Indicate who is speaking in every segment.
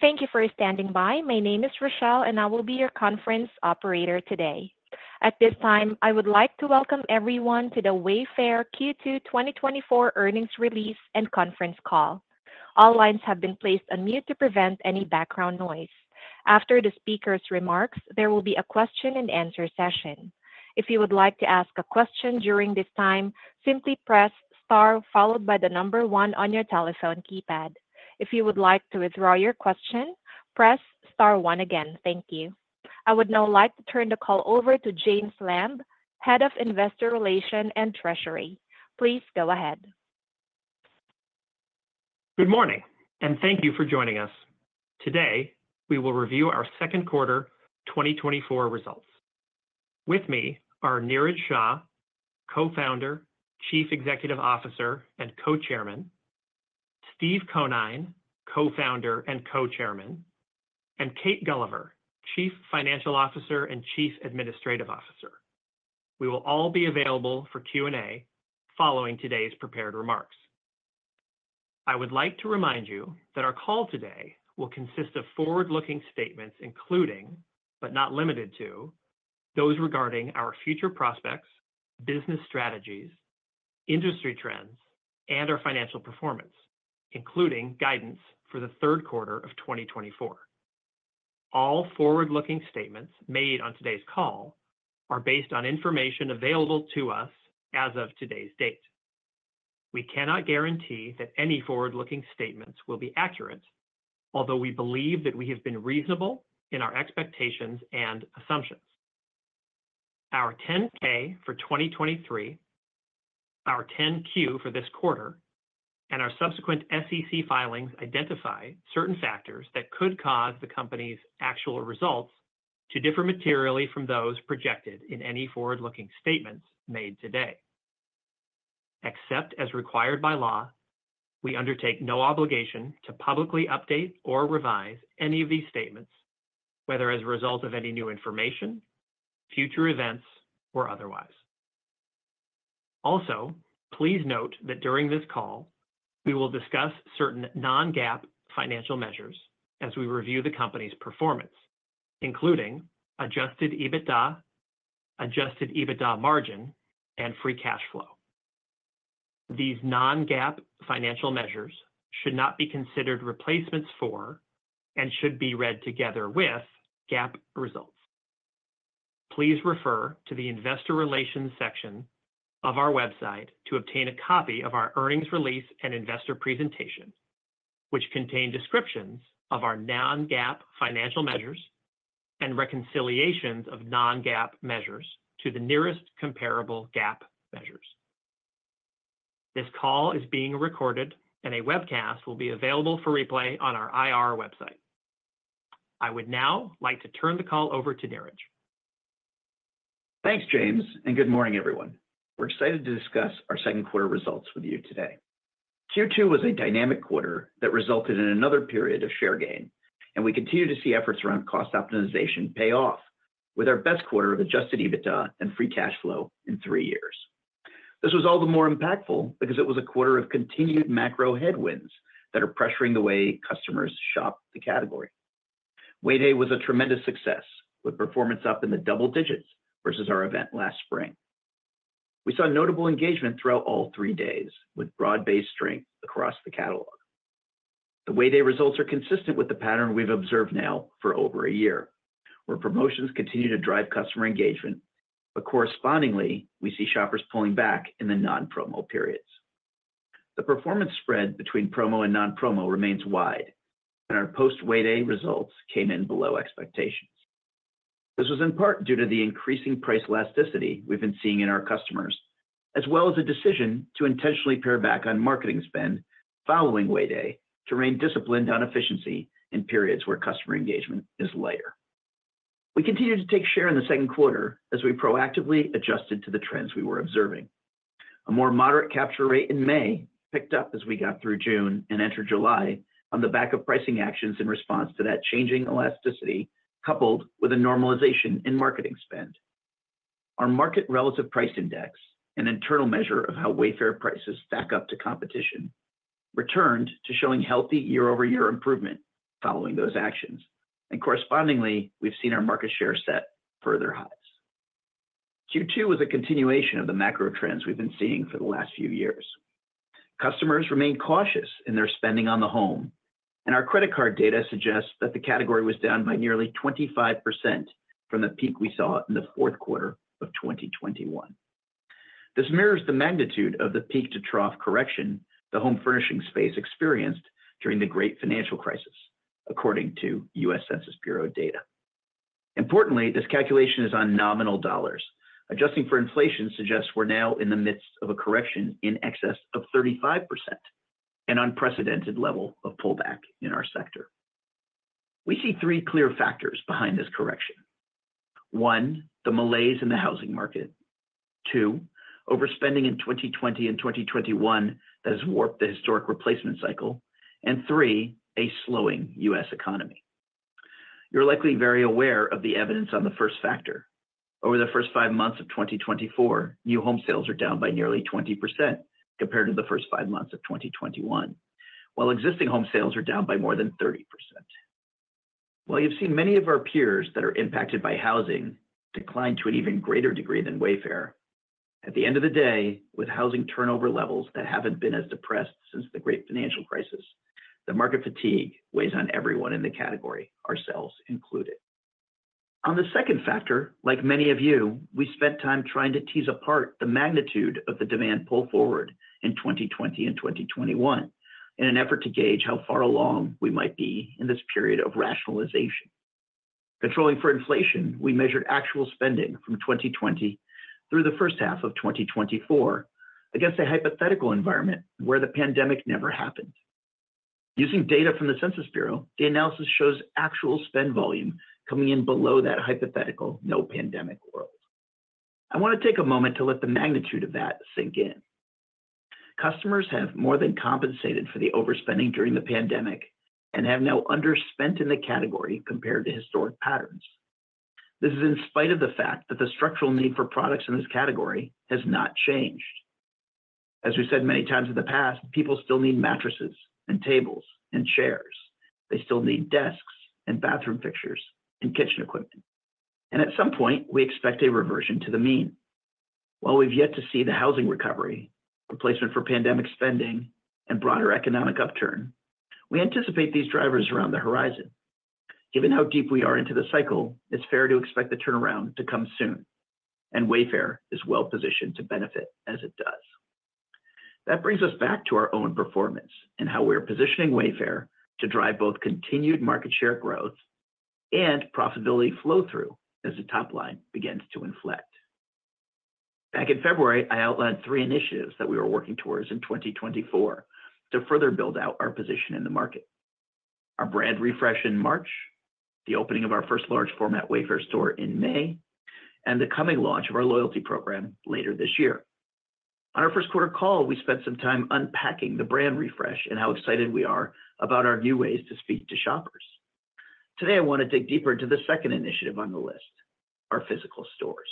Speaker 1: Thank you for standing by. My name is Rochelle, and I will be your conference operator today. At this time, I would like to welcome everyone to the Wayfair Q2 2024 earnings release and conference call. All lines have been placed on mute to prevent any background noise. After the speaker's remarks, there will be a question-and-answer session. If you would like to ask a question during this time, simply press Star followed by the number one on your telephone keypad. If you would like to withdraw your question, press Star one again. Thank you. I would now like to turn the call over to James Lamb, Head of Investor Relations and Treasury. Please go ahead.
Speaker 2: Good morning, and thank you for joining us. Today, we will review our second quarter 2024 results. With me are Niraj Shah, Co-founder, Chief Executive Officer, and Co-chairman; Steve Conine, Co-founder and Co-chairman; and Kate Gulliver, Chief Financial Officer and Chief Administrative Officer. We will all be available for Q&A following today's prepared remarks. I would like to remind you that our call today will consist of forward-looking statements, including, but not limited to, those regarding our future prospects, business strategies, industry trends, and our financial performance, including guidance for the third quarter of 2024. All forward-looking statements made on today's call are based on information available to us as of today's date. We cannot guarantee that any forward-looking statements will be accurate, although we believe that we have been reasonable in our expectations and assumptions. Our 10-K for 2023, our 10-Q for this quarter, and our subsequent SEC filings identify certain factors that could cause the company's actual results to differ materially from those projected in any forward-looking statements made today. Except as required by law, we undertake no obligation to publicly update or revise any of these statements, whether as a result of any new information, future events, or otherwise. Also, please note that during this call, we will discuss certain non-GAAP financial measures as we review the company's performance, including Adjusted EBITDA, Adjusted EBITDA margin, and Free Cash Flow. These non-GAAP financial measures should not be considered replacements for and should be read together with GAAP results. Please refer to the Investor Relations section of our website to obtain a copy of our earnings release and investor presentation, which contain descriptions of our non-GAAP financial measures and reconciliations of non-GAAP measures to the nearest comparable GAAP measures. This call is being recorded, and a webcast will be available for replay on our IR website. I would now like to turn the call over to Niraj.
Speaker 3: Thanks, James, and good morning, everyone. We're excited to discuss our second quarter results with you today. Q2 was a dynamic quarter that resulted in another period of share gain, and we continue to see efforts around cost optimization pay off with our best quarter of Adjusted EBITDA and Free Cash Flow in three years. This was all the more impactful because it was a quarter of continued macro headwinds that are pressuring the way customers shop the category. Way Day was a tremendous success, with performance up in the double digits versus our event last spring. We saw notable engagement throughout all three days, with broad-based strength across the catalog. The Way Day results are consistent with the pattern we've observed now for over a year, where promotions continue to drive customer engagement, but correspondingly, we see shoppers pulling back in the non-promo periods. The performance spread between promo and non-promo remains wide, and our post-Way Day results came in below expectations. This was in part due to the increasing price elasticity we've been seeing in our customers, as well as a decision to intentionally pare back on marketing spend following Way Day to remain disciplined on efficiency in periods where customer engagement is lighter. We continued to take share in the second quarter as we proactively adjusted to the trends we were observing. A more moderate capture rate in May picked up as we got through June and entered July on the back of pricing actions in response to that changing elasticity, coupled with a normalization in marketing spend. Our market relative price index, an internal measure of how Wayfair prices stack up to competition, returned to showing healthy year-over-year improvement following those actions, and correspondingly, we've seen our market share set further highs. Q2 was a continuation of the macro trends we've been seeing for the last few years. Customers remained cautious in their spending on the home, and our credit card data suggests that the category was down by nearly 25% from the peak we saw in the fourth quarter of 2021. This mirrors the magnitude of the peak-to-trough correction the home furnishing space experienced during the great financial crisis, according to U.S. Census Bureau data. Importantly, this calculation is on nominal dollars. Adjusting for inflation suggests we're now in the midst of a correction in excess of 35%, an unprecedented level of pullback in our sector. We see three clear factors behind this correction. One, the malaise in the housing market. Two, overspending in 2020 and 2021 that has warped the historic replacement cycle. And three, a slowing U.S. economy. You're likely very aware of the evidence on the first factor. Over the first five months of 2024, new home sales are down by nearly 20% compared to the first five months of 2021, while existing home sales are down by more than 30%. While you've seen many of our peers that are impacted by housing decline to an even greater degree than Wayfair, at the end of the day, with housing turnover levels that haven't been as depressed since the great financial crisis, the market fatigue weighs on everyone in the category, ourselves included. On the second factor, like many of you, we spent time trying to tease apart the magnitude of the demand pull forward in 2020 and 2021, in an effort to gauge how far along we might be in this period of rationalization. Controlling for inflation, we measured actual spending from 2020 through the first half of 2024 against a hypothetical environment where the pandemic never happened. Using data from the Census Bureau, the analysis shows actual spend volume coming in below that hypothetical no pandemic world. I want to take a moment to let the magnitude of that sink in. Customers have more than compensated for the overspending during the pandemic and have now underspent in the category compared to historic patterns. This is in spite of the fact that the structural need for products in this category has not changed. As we said many times in the past, people still need mattresses and tables and chairs. They still need desks and bathroom fixtures and kitchen equipment, and at some point, we expect a reversion to the mean. While we've yet to see the housing recovery, replacement for pandemic spending, and broader economic upturn, we anticipate these drivers are on the horizon. Given how deep we are into the cycle, it's fair to expect the turnaround to come soon, and Wayfair is well positioned to benefit as it does. That brings us back to our own performance and how we are positioning Wayfair to drive both continued market share growth and profitability flow-through as the top line begins to inflect. Back in February, I outlined three initiatives that we were working towards in 2024 to further build out our position in the market. Our brand refresh in March, the opening of our first large format Wayfair store in May, and the coming launch of our loyalty program later this year. On our first quarter call, we spent some time unpacking the brand refresh and how excited we are about our new ways to speak to shoppers. Today, I want to dig deeper into the second initiative on the list, our physical stores.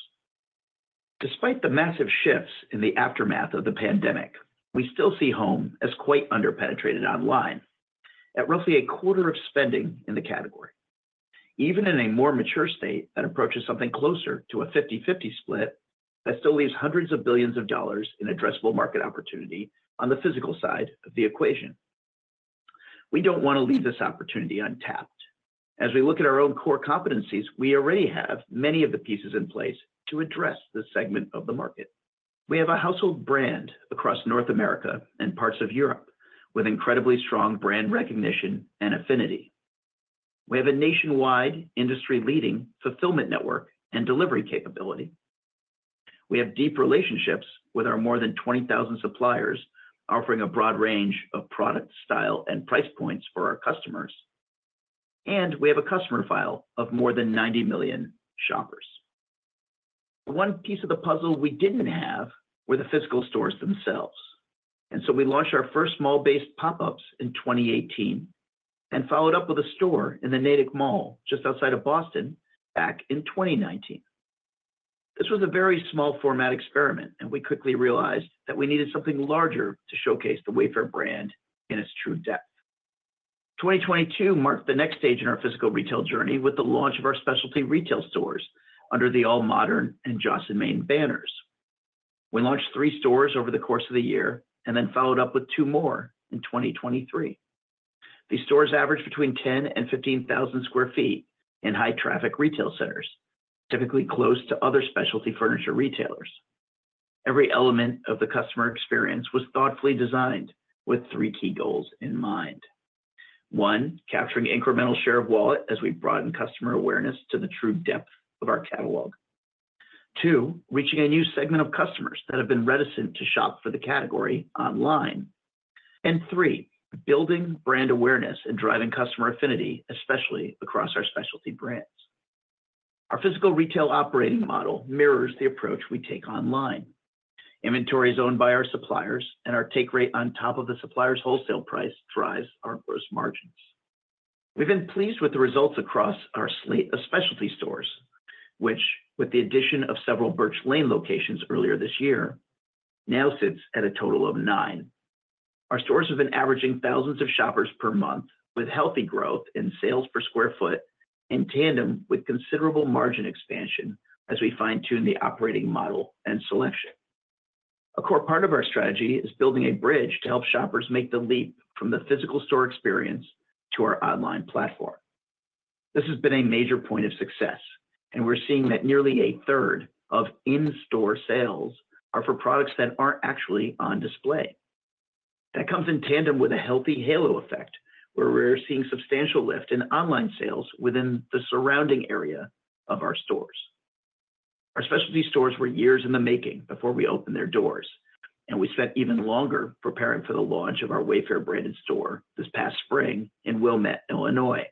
Speaker 3: Despite the massive shifts in the aftermath of the pandemic, we still see home as quite underpenetrated online, at roughly a quarter of spending in the category. Even in a more mature state that approaches something closer to a 50/50 split, that still leaves hundreds of billions of dollars in addressable market opportunity on the physical side of the equation. We don't want to leave this opportunity untapped. As we look at our own core competencies, we already have many of the pieces in place to address this segment of the market. We have a household brand across North America and parts of Europe, with incredibly strong brand recognition and affinity. We have a nationwide, industry-leading fulfillment network and delivery capability. We have deep relationships with our more than 20,000 suppliers, offering a broad range of products, style, and price points for our customers, and we have a customer file of more than 90 million shoppers. The one piece of the puzzle we didn't have were the physical stores themselves, and so we launched our first mall-based pop-ups in 2018 and followed up with a store in the Natick Mall, just outside of Boston, back in 2019. This was a very small format experiment, and we quickly realized that we needed something larger to showcase the Wayfair brand in its true depth. 2022 marked the next stage in our physical retail journey with the launch of our specialty retail stores under the AllModern and Joss & Main banners. We launched three stores over the course of the year and then followed up with two more in 2023. These stores average between 10,000 and 15,000 sq ft in high-traffic retail centers, typically close to other specialty furniture retailers. Every element of the customer experience was thoughtfully designed with three key goals in mind. One, capturing incremental share of wallet as we broaden customer awareness to the true depth of our catalog. Two, reaching a new segment of customers that have been reticent to shop for the category online. Three, building brand awareness and driving customer affinity, especially across our specialty brands. Our physical retail operating model mirrors the approach we take online. Inventory is owned by our suppliers, and our take rate on top of the supplier's wholesale price drives our gross margins. We've been pleased with the results across our slate of specialty stores, which, with the addition of several Birch Lane locations earlier this year, now sits at a total of nine. Our stores have been averaging thousands of shoppers per month, with healthy growth in sales per square foot in tandem with considerable margin expansion as we fine-tune the operating model and selection. A core part of our strategy is building a bridge to help shoppers make the leap from the physical store experience to our online platform. This has been a major point of success, and we're seeing that nearly a third of in-store sales are for products that aren't actually on display. That comes in tandem with a healthy halo effect, where we're seeing substantial lift in online sales within the surrounding area of our stores. Our specialty stores were years in the making before we opened their doors, and we spent even longer preparing for the launch of our Wayfair-branded store this past spring in Wilmette, Illinois.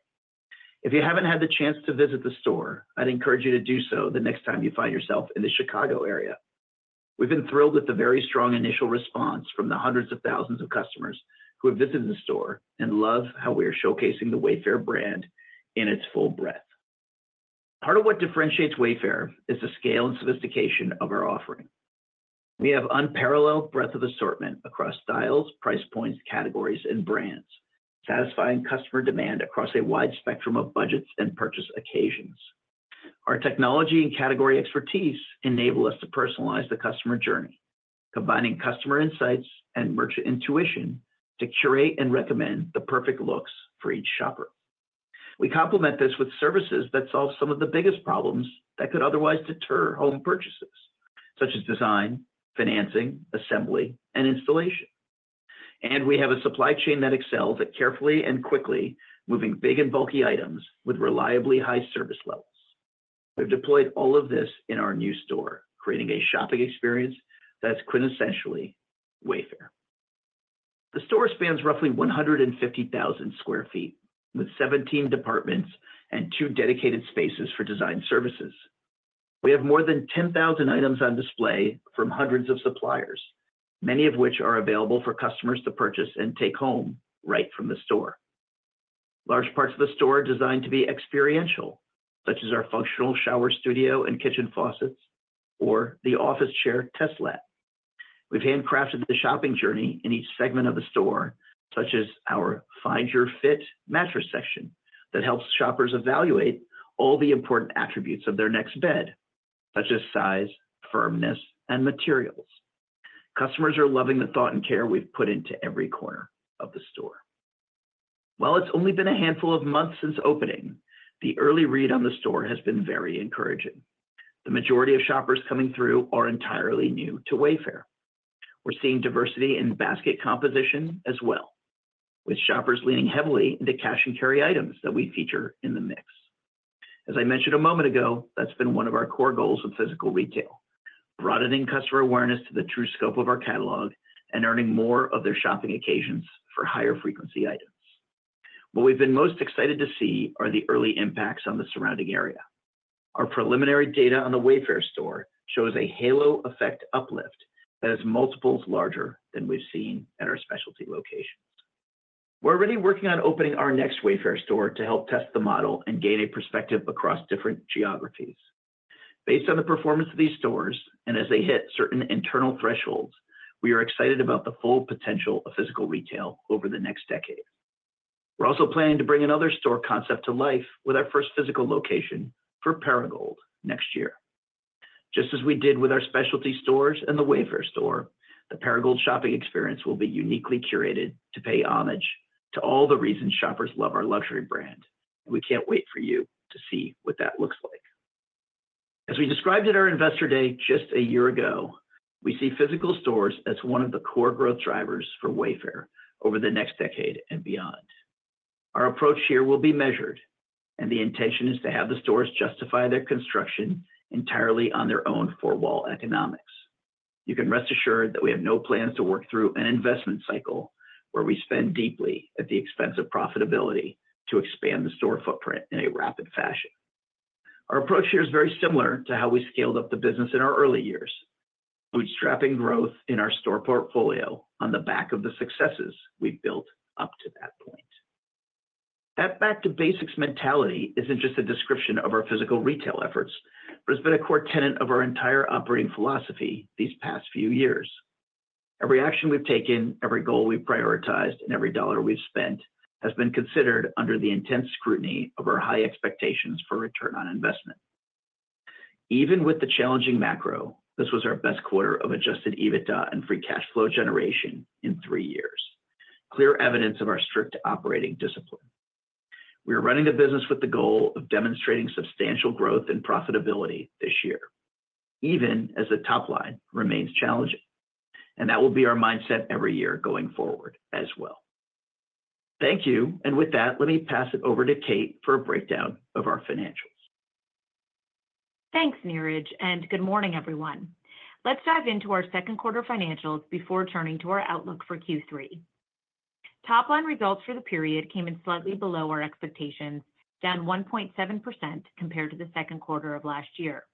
Speaker 3: If you haven't had the chance to visit the store, I'd encourage you to do so the next time you find yourself in the Chicago area. We've been thrilled with the very strong initial response from the hundreds of thousands of customers who have visited the store and love how we are showcasing the Wayfair brand in its full breadth. Part of what differentiates Wayfair is the scale and sophistication of our offering. We have unparalleled breadth of assortment across styles, price points, categories, and brands, satisfying customer demand across a wide spectrum of budgets and purchase occasions. Our technology and category expertise enable us to personalize the customer journey, combining customer insights and merchant intuition to curate and recommend the perfect looks for each shopper. We complement this with services that solve some of the biggest problems that could otherwise deter home purchases, such as design, financing, assembly, and installation. And we have a supply chain that excels at carefully and quickly moving big and bulky items with reliably high service levels. We've deployed all of this in our new store, creating a shopping experience that's quintessentially Wayfair. The store spans roughly 150,000 sq ft, with 17 departments and two dedicated spaces for design services. We have more than 10,000 items on display from hundreds of suppliers, many of which are available for customers to purchase and take home right from the store. Large parts of the store are designed to be experiential, such as our functional shower studio and kitchen faucets or the office chair test lab. We've handcrafted the shopping journey in each segment of the store, such as our Find Your Fit mattress section, that helps shoppers evaluate all the important attributes of their next bed, such as size, firmness, and materials. Customers are loving the thought and care we've put into every corner of the store. While it's only been a handful of months since opening, the early read on the store has been very encouraging. The majority of shoppers coming through are entirely new to Wayfair. We're seeing diversity in basket composition as well, with shoppers leaning heavily into cash and carry items that we feature in the mix. As I mentioned a moment ago, that's been one of our core goals with physical retail, broadening customer awareness to the true scope of our catalog and earning more of their shopping occasions for higher-frequency items. What we've been most excited to see are the early impacts on the surrounding area. Our preliminary data on the Wayfair store shows a halo effect uplift that is multiples larger than we've seen at our specialty locations. We're already working on opening our next Wayfair store to help test the model and gain a perspective across different geographies. Based on the performance of these stores, and as they hit certain internal thresholds, we are excited about the full potential of physical retail over the next decade. We're also planning to bring another store concept to life with our first physical location for Perigold next year. Just as we did with our specialty stores and the Wayfair store, the Perigold shopping experience will be uniquely curated to pay homage to all the reasons shoppers love our luxury brand. We can't wait for you to see what that looks like. As we described at our Investor Day just a year ago, we see physical stores as one of the core growth drivers for Wayfair over the next decade and beyond. Our approach here will be measured, and the intention is to have the stores justify their construction entirely on their own four-wall economics. You can rest assured that we have no plans to work through an investment cycle where we spend deeply at the expense of profitability to expand the store footprint in a rapid fashion. Our approach here is very similar to how we scaled up the business in our early years, bootstrapping growth in our store portfolio on the back of the successes we've built up to that point. That back-to-basics mentality isn't just a description of our physical retail efforts, but it's been a core tenet of our entire operating philosophy these past few years. Every action we've taken, every goal we've prioritized, and every dollar we've spent has been considered under the intense scrutiny of our high expectations for return on investment. Even with the challenging macro, this was our best quarter of Adjusted EBITDA and Free Cash Flow generation in three years, clear evidence of our strict operating discipline. We are running the business with the goal of demonstrating substantial growth and profitability this year, even as the top line remains challenging, and that will be our mindset every year going forward as well. Thank you. With that, let me pass it over to Kate for a breakdown of our financials.
Speaker 4: Thanks, Niraj, and good morning, everyone. Let's dive into our second quarter financials before turning to our outlook for Q3. Top-line results for the period came in slightly below our expectations, down 1.7% compared to the second quarter of last year.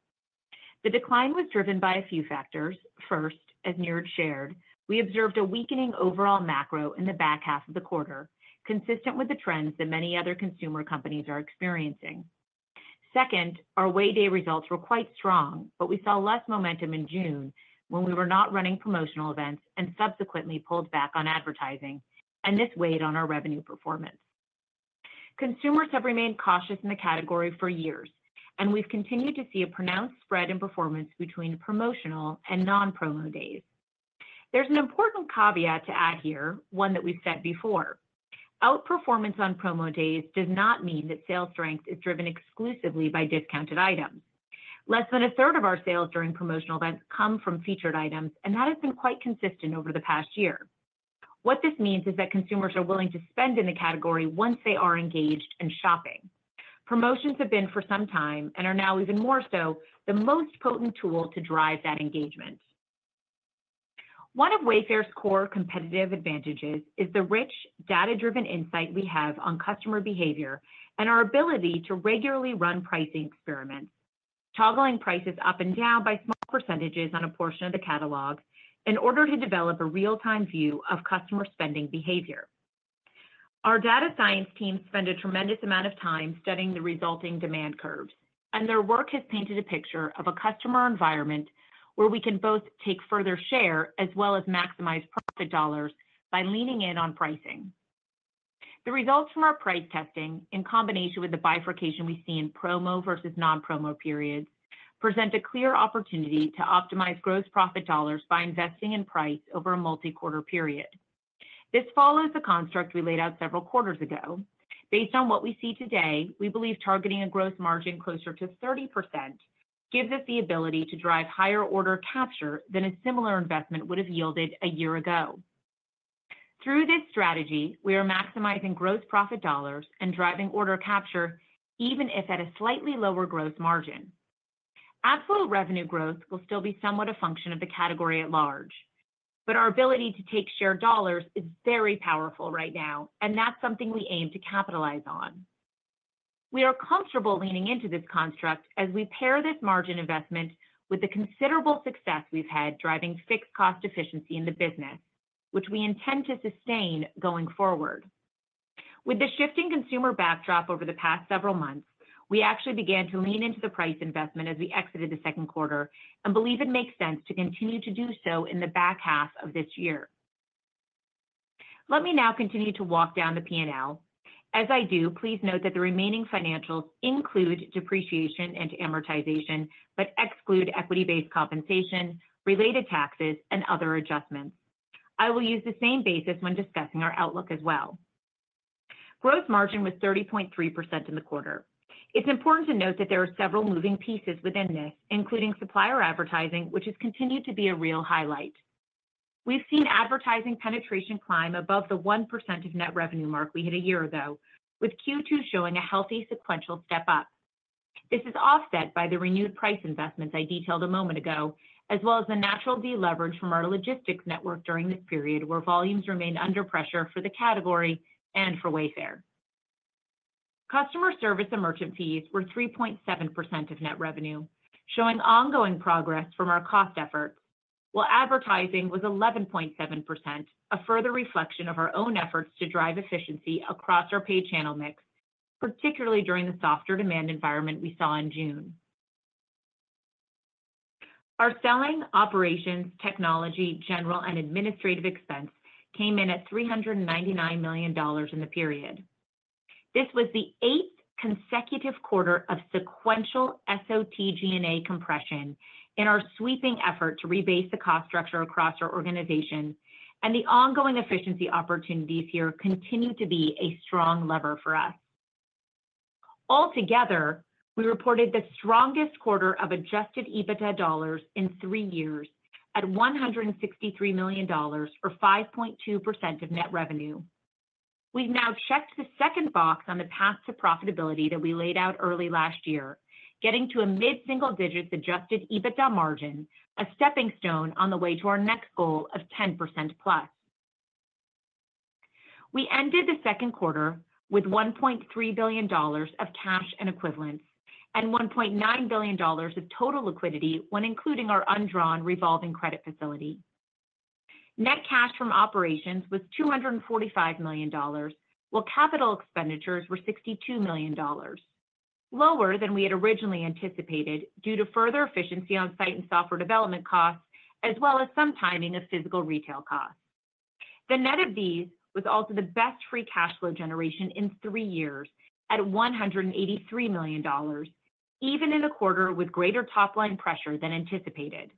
Speaker 4: The decline was driven by a few factors. First, as Niraj shared, we observed a weakening overall macro in the back half of the quarter, consistent with the trends that many other consumer companies are experiencing. Second, our Way Day results were quite strong, but we saw less momentum in June when we were not running promotional events and subsequently pulled back on advertising, and this weighed on our revenue performance. Consumers have remained cautious in the category for years, and we've continued to see a pronounced spread in performance between promotional and non-promo days. There's an important caveat to add here, one that we've said before: outperformance on promo days does not mean that sales strength is driven exclusively by discounted items. Less than a third of our sales during promotional events come from featured items, and that has been quite consistent over the past year. What this means is that consumers are willing to spend in the category once they are engaged and shopping. Promotions have been, for some time, and are now even more so, the most potent tool to drive that engagement. One of Wayfair's core competitive advantages is the rich, data-driven insight we have on customer behavior and our ability to regularly run pricing experiments, toggling prices up and down by small percentages on a portion of the catalog in order to develop a real-time view of customer spending behavior. Our data science team spend a tremendous amount of time studying the resulting demand curves, and their work has painted a picture of a customer environment where we can both take further share, as well as maximize profit dollars by leaning in on pricing. The results from our price testing, in combination with the bifurcation we see in promo versus non-promo periods, present a clear opportunity to optimize gross profit dollars by investing in price over a multi-quarter period. This follows the construct we laid out several quarters ago. Based on what we see today, we believe targeting a gross margin closer to 30% gives us the ability to drive higher order capture than a similar investment would have yielded a year ago. Through this strategy, we are maximizing gross profit dollars and driving order capture, even if at a slightly lower gross margin. Absolute revenue growth will still be somewhat a function of the category at large, but our ability to take share dollars is very powerful right now, and that's something we aim to capitalize on. We are comfortable leaning into this construct as we pair this margin investment with the considerable success we've had driving fixed cost efficiency in the business, which we intend to sustain going forward. With the shifting consumer backdrop over the past several months, we actually began to lean into the price investment as we exited the second quarter and believe it makes sense to continue to do so in the back half of this year. Let me now continue to walk down the P&L. As I do, please note that the remaining financials include depreciation and amortization, but exclude equity-based compensation, related taxes, and other adjustments. I will use the same basis when discussing our outlook as well. Gross margin was 30.3% in the quarter. It's important to note that there are several moving pieces within this, including supplier advertising, which has continued to be a real highlight. We've seen advertising penetration climb above the 1% of net revenue mark we hit a year ago, with Q2 showing a healthy sequential step up. This is offset by the renewed price investments I detailed a moment ago, as well as the natural deleverage from our logistics network during this period, where volumes remained under pressure for the category and for Wayfair. Customer service and merchant fees were 3.7% of net revenue, showing ongoing progress from our cost efforts, while advertising was 11.7%, a further reflection of our own efforts to drive efficiency across our pay channel mix, particularly during the softer demand environment we saw in June. Our selling, operations, technology, general and administrative expense came in at $399 million in the period. This was the eighth consecutive quarter of sequential SOTG&A compression in our sweeping effort to rebase the cost structure across our organization, and the ongoing efficiency opportunities here continue to be a strong lever for us. Altogether, we reported the strongest quarter of adjusted EBITDA dollars in three years at $163 million, or 5.2% of net revenue. We've now checked the second box on the path to profitability that we laid out early last year, getting to a mid-single-digit Adjusted EBITDA margin, a stepping stone on the way to our next goal of 10%+. We ended the second quarter with $1.3 billion of cash and equivalents and $1.9 billion of total liquidity when including our undrawn revolving credit facility. Net cash from operations was $245 million, while capital expenditures were $62 million, lower than we had originally anticipated, due to further efficiency on site and software development costs, as well as some timing of physical retail costs. The net of these was also the best free cash flow generation in three years at $183 million, even in a quarter with greater top-line pressure than anticipated.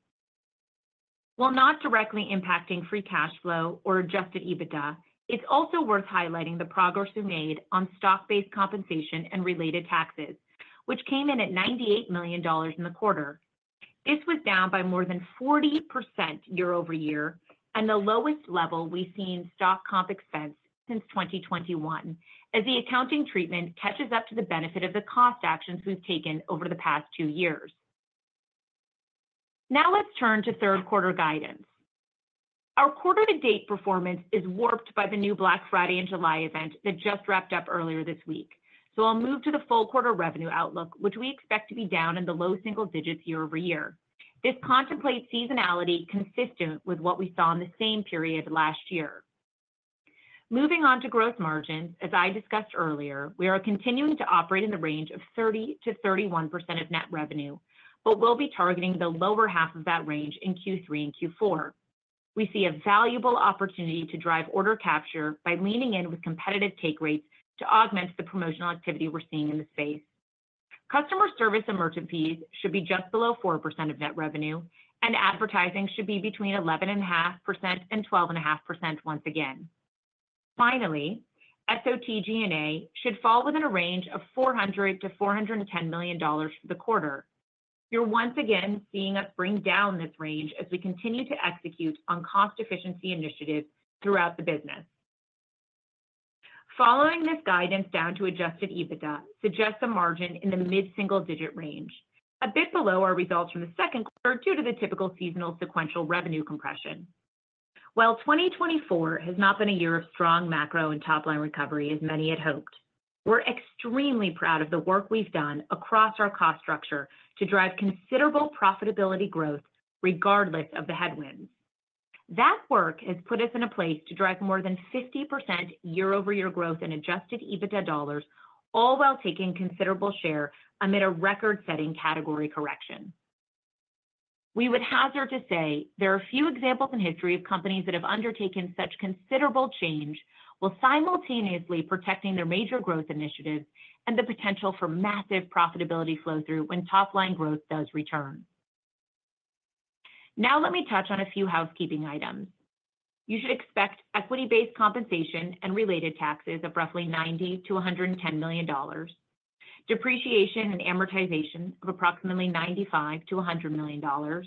Speaker 4: While not directly impacting free cash flow or Adjusted EBITDA, it's also worth highlighting the progress we've made on stock-based compensation and related taxes, which came in at $98 million in the quarter. This was down by more than 40% year-over-year, and the lowest level we've seen stock comp expense since 2021, as the accounting treatment catches up to the benefit of the cost actions we've taken over the past two years. Now, let's turn to third quarter guidance. Our quarter-to-date performance is warped by the new Black Friday in July event that just wrapped up earlier this week. So I'll move to the full quarter revenue outlook, which we expect to be down in the low single digits year-over-year. This contemplates seasonality consistent with what we saw in the same period last year. Moving on to gross margin, as I discussed earlier, we are continuing to operate in the range of 30%-31% of net revenue, but we'll be targeting the lower half of that range in Q3 and Q4. We see a valuable opportunity to drive order capture by leaning in with competitive take rates to augment the promotional activity we're seeing in the space. Customer service and merchant fees should be just below 4% of net revenue, and advertising should be between 11.5% and 12.5% once again. Finally, SOTG&A should fall within a range of $400 million-$410 million for the quarter. You're once again seeing us bring down this range as we continue to execute on cost efficiency initiatives throughout the business. Following this guidance down to Adjusted EBITDA suggests a margin in the mid-single digit range, a bit below our results from the second quarter due to the typical seasonal sequential revenue compression. While 2024 has not been a year of strong macro and top-line recovery as many had hoped, we're extremely proud of the work we've done across our cost structure to drive considerable profitability growth regardless of the headwinds. That work has put us in a place to drive more than 50% year-over-year growth in Adjusted EBITDA dollars, all while taking considerable share amid a record-setting category correction. We would hazard to say there are few examples in history of companies that have undertaken such considerable change while simultaneously protecting their major growth initiatives and the potential for massive profitability flow-through when top-line growth does return. Now, let me touch on a few housekeeping items. You should expect equity-based compensation and related taxes of roughly $90 million-$110 million, depreciation and amortization of approximately $95 million-$100 million,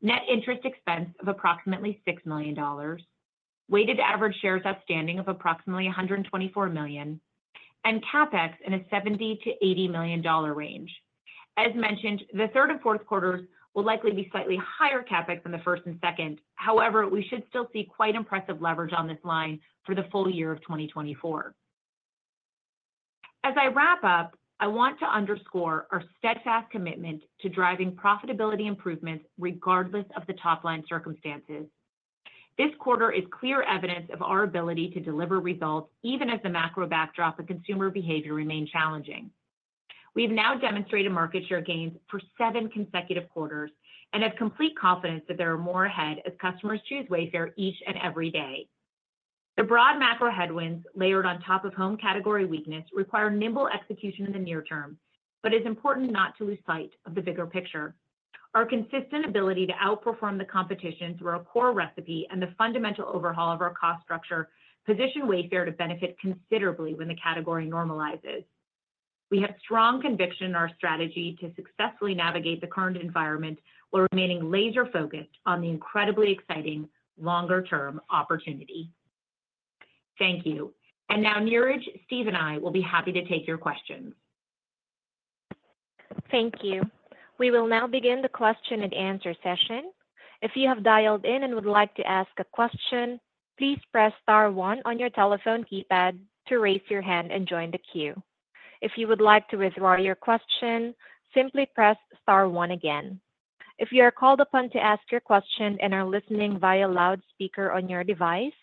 Speaker 4: net interest expense of approximately $6 million, weighted average shares outstanding of approximately 124 million, and CapEx in a $70 million-$80 million range. As mentioned, the third and fourth quarters will likely be slightly higher CapEx than the first and second. However, we should still see quite impressive leverage on this line for the full year of 2024. As I wrap up, I want to underscore our steadfast commitment to driving profitability improvements regardless of the top-line circumstances. This quarter is clear evidence of our ability to deliver results, even as the macro backdrop of consumer behavior remain challenging. We've now demonstrated market share gains for seven consecutive quarters and have complete confidence that there are more ahead as customers choose Wayfair each and every day. The broad macro headwinds layered on top of home category weakness require nimble execution in the near term, but it's important not to lose sight of the bigger picture. Our consistent ability to outperform the competition through our core recipe and the fundamental overhaul of our cost structure, position Wayfair to benefit considerably when the category normalizes. We have strong conviction in our strategy to successfully navigate the current environment, while remaining laser-focused on the incredibly exciting longer term opportunity. Thank you. Now, Niraj, Steve, and I will be happy to take your questions.
Speaker 1: Thank you. We will now begin the question and answer session. If you have dialed in and would like to ask a question, please press star one on your telephone keypad to raise your hand and join the queue. If you would like to withdraw your question, simply press star one again. If you are called upon to ask your question and are listening via loudspeaker on your device,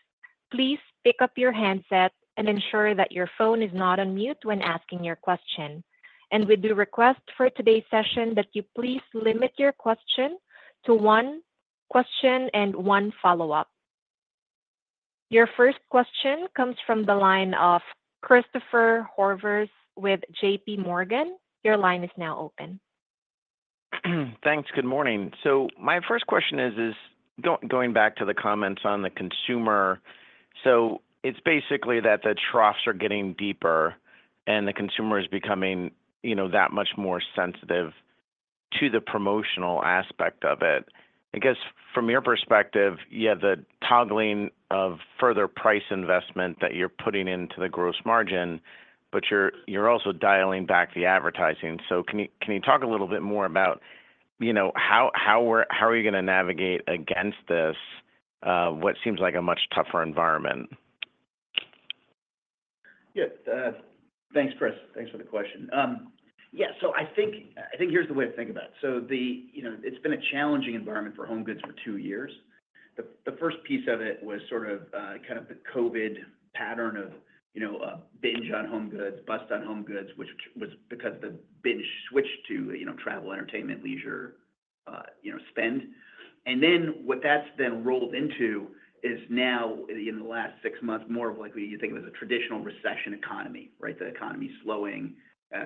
Speaker 1: please pick up your handset and ensure that your phone is not on mute when asking your question. And we do request for today's session that you please limit your question to one question and one follow-up. Your first question comes from the line of Christopher Horvers with J.P. Morgan. Your line is now open.
Speaker 5: Thanks. Good morning. So my first question is, going back to the comments on the consumer. So it's basically that the troughs are getting deeper and the consumer is becoming, you know, that much more sensitive to the promotional aspect of it. I guess from your perspective, you have the toggling of further price investment that you're putting into the gross margin, but you're also dialing back the advertising. So can you talk a little bit more about, you know, how are you gonna navigate against this what seems like a much tougher environment?
Speaker 3: Yeah. Thanks, Chris. Thanks for the question. Yeah, so I think, I think here's the way to think about it. So the, you know, it's been a challenging environment for home goods for two years. The, the first piece of it was sort of, kind of the COVID pattern of, you know, binge on home goods, bust on home goods, which was because the binge switched to, you know, travel, entertainment, leisure, you know, spend. And then what that's then rolled into is now, in the last six months, more of like we you think of as a traditional recession economy, right? The economy slowing,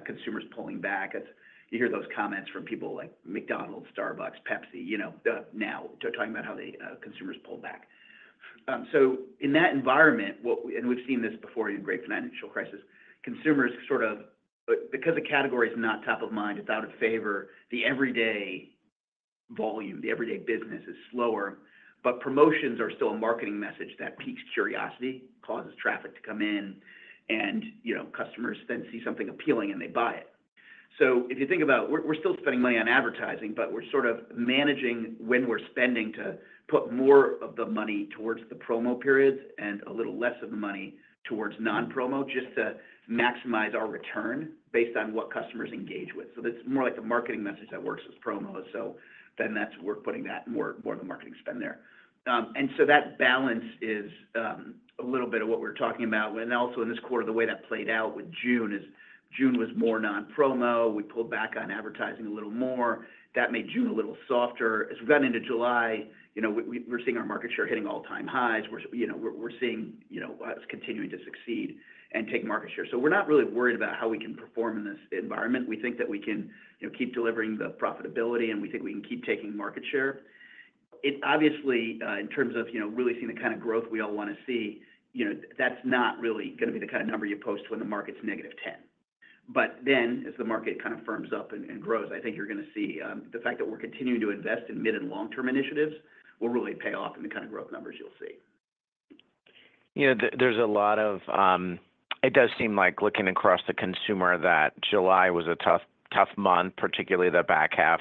Speaker 3: consumers pulling back. It's-- You hear those comments from people like McDonald's, Starbucks, Pepsi, you know, now. They're talking about how the, consumers pulled back. So in that environment, and we've seen this before in the great financial crisis, consumers sort of, because the category is not top of mind, it's out of favor, the everyday volume, the everyday business is slower, but promotions are still a marketing message that piques curiosity, causes traffic to come in, and, you know, customers then see something appealing, and they buy it. So if you think about, we're still spending money on advertising, but we're sort of managing when we're spending to put more of the money towards the promo periods and a little less of the money towards non-promo, just to maximize our return based on what customers engage with. So it's more like a marketing message that works with promos, so then that's where we're putting that more of the marketing spend there. And so that balance is a little bit of what we're talking about. And also in this quarter, the way that played out with June is June was more non-promo. We pulled back on advertising a little more. That made June a little softer. As we got into July, you know, we're seeing our market share hitting all-time highs. We're, you know, seeing us continuing to succeed and take market share. So we're not really worried about how we can perform in this environment. We think that we can, you know, keep delivering the profitability, and we think we can keep taking market share. It obviously in terms of, you know, really seeing the kind of growth we all wanna see, you know, that's not really gonna be the kind of number you post when the market's negative 10%. But then as the market kind of firms up and grows, I think you're gonna see the fact that we're continuing to invest in mid- and long-term initiatives will really pay off in the kind of growth numbers you'll see.
Speaker 5: You know, there's a lot of it does seem like looking across the consumer, that July was a tough, tough month, particularly the back half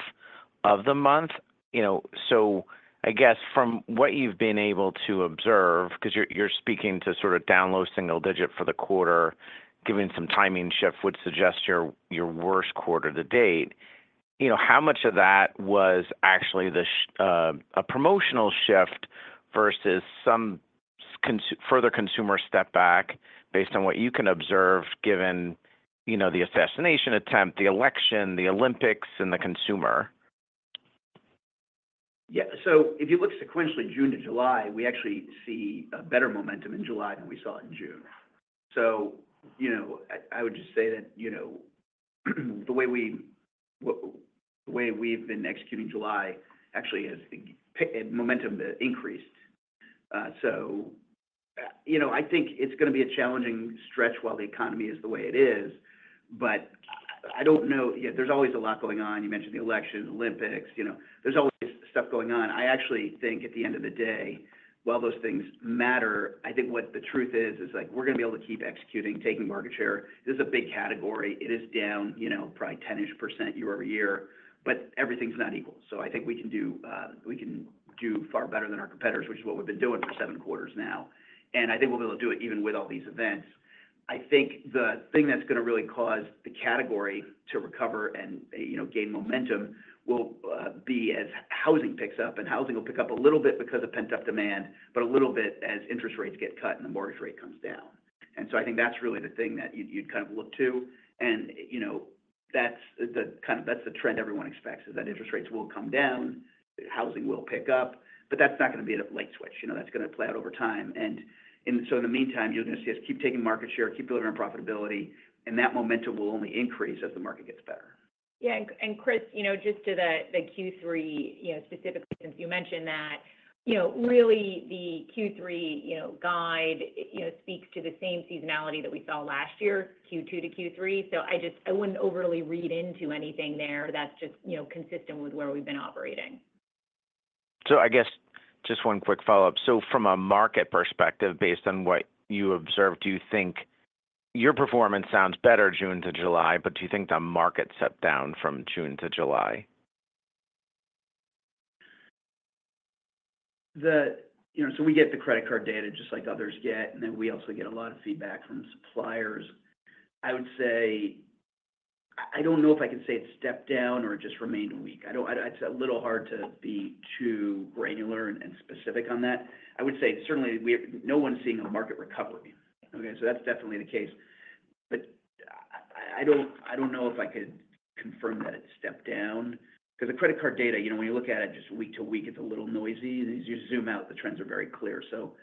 Speaker 5: of the month. You know, so I guess from what you've been able to observe, 'cause you're speaking to sort of down low single digit for the quarter, given some timing shift, would suggest your worst quarter to date. You know, how much of that was actually a promotional shift versus some further consumer step back based on what you can observe, given, you know, the assassination attempt, the election, the Olympics, and the consumer?
Speaker 3: Yeah. So if you look sequentially, June to July, we actually see a better momentum in July than we saw in June. So, you know, I would just say that, you know, the way we've been executing July actually has the momentum increased. So, you know, I think it's gonna be a challenging stretch while the economy is the way it is, but I don't know. Yeah, there's always a lot going on. You mentioned the election, Olympics, you know, there's always stuff going on. I actually think at the end of the day, while those things matter, I think what the truth is, is, like, we're gonna be able to keep executing, taking market share. This is a big category. It is down, you know, probably 10-ish% year-over-year, but everything's not equal. So I think we can do, we can do far better than our competitors, which is what we've been doing for seven quarters now, and I think we'll be able to do it even with all these events. I think the thing that's gonna really cause the category to recover and, you know, gain momentum will be as housing picks up, and housing will pick up a little bit because of pent-up demand, but a little bit as interest rates get cut and the mortgage rate comes down. And so I think that's really the thing that you'd kind of look to. And, you know, that's the trend everyone expects, is that interest rates will come down, housing will pick up, but that's not gonna be at a light switch. You know, that's gonna play out over time. So, in the meantime, you're gonna see us keep taking market share, keep delivering profitability, and that momentum will only increase as the market gets better.
Speaker 4: Yeah. And Chris, you know, just to the Q3, you know, specifically, since you mentioned that, you know, really the Q3, you know, guide, you know, speaks to the same seasonality that we saw last year, Q2-Q3. So I wouldn't overly read into anything there that's just, you know, consistent with where we've been operating.
Speaker 5: I guess just one quick follow-up. From a market perspective, based on what you observed, do you think... Your performance sounds better June to July, but do you think the market stepped down from June to July?
Speaker 3: You know, so we get the credit card data just like others get, and then we also get a lot of feedback from suppliers. I would say, I don't know if I can say it stepped down or it just remained weak. It's a little hard to be too granular and specific on that. I would say, certainly, no one's seeing a market recovery. Okay, so that's definitely the case. But I don't know if I could confirm that it stepped down, because the credit card data, you know, when you look at it just week to week, it's a little noisy. As you zoom out, the trends are very clear. So,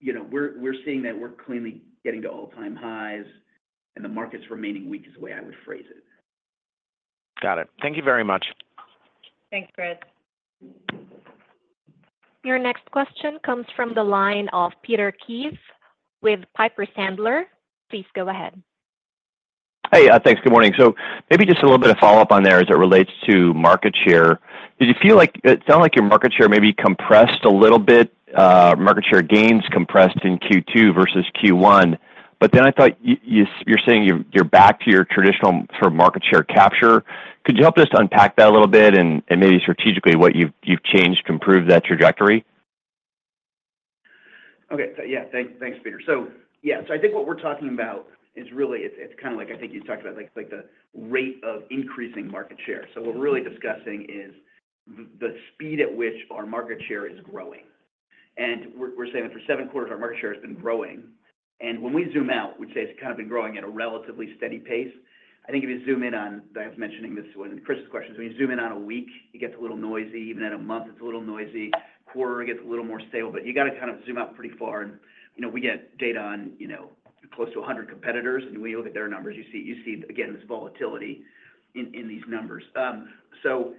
Speaker 3: you know, we're seeing that we're clearly getting to all-time highs, and the market's remaining weak, is the way I would phrase it.
Speaker 5: Got it. Thank you very much.
Speaker 4: Thanks, Chris.
Speaker 1: Your next question comes from the line of Peter Keith with Piper Sandler. Please go ahead.
Speaker 6: Hey, thanks. Good morning. So maybe just a little bit of follow-up on there as it relates to market share. It sounded like your market share maybe compressed a little bit, market share gains compressed in Q2 versus Q1, but then I thought you're saying you're back to your traditional sort of market share capture. Could you help just unpack that a little bit and maybe strategically, what you've changed to improve that trajectory?
Speaker 3: Okay. Yeah. Thanks, Peter. So, yeah, so I think what we're talking about is really, it's kind of like, I think you talked about, like the rate of increasing market share. So what we're really discussing is the speed at which our market share is growing. And we're saying that for seven quarters, our market share has been growing, and when we zoom out, we'd say it's kind of been growing at a relatively steady pace. I think if you zoom in on. I was mentioning this when Chris was questioning. When you zoom in on a week, it gets a little noisy. Even at a month, it's a little noisy. Quarter, it gets a little more stable, but you gotta kind of zoom out pretty far. You know, we get data on, you know, close to 100 competitors, and when you look at their numbers, you see you see again this volatility in these numbers. So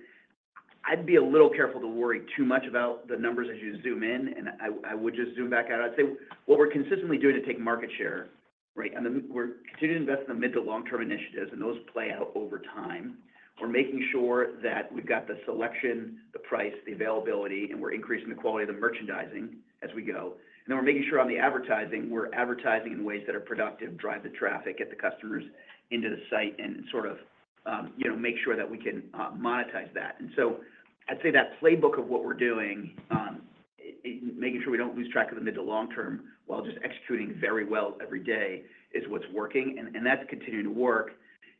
Speaker 3: I'd be a little careful to worry too much about the numbers as you zoom in, and I would just zoom back out. I'd say what we're consistently doing is taking market share, right? Then we're continuing to invest in the mid to long-term initiatives, and those play out over time. We're making sure that we've got the selection, the price, the availability, and we're increasing the quality of the merchandising as we go. Then we're making sure on the advertising, we're advertising in ways that are productive, drive the traffic, get the customers into the site, and sort of, you know, make sure that we can monetize that. And so I'd say that playbook of what we're doing, making sure we don't lose track of the mid to long term, while just executing very well every day, is what's working, and that's continuing to work.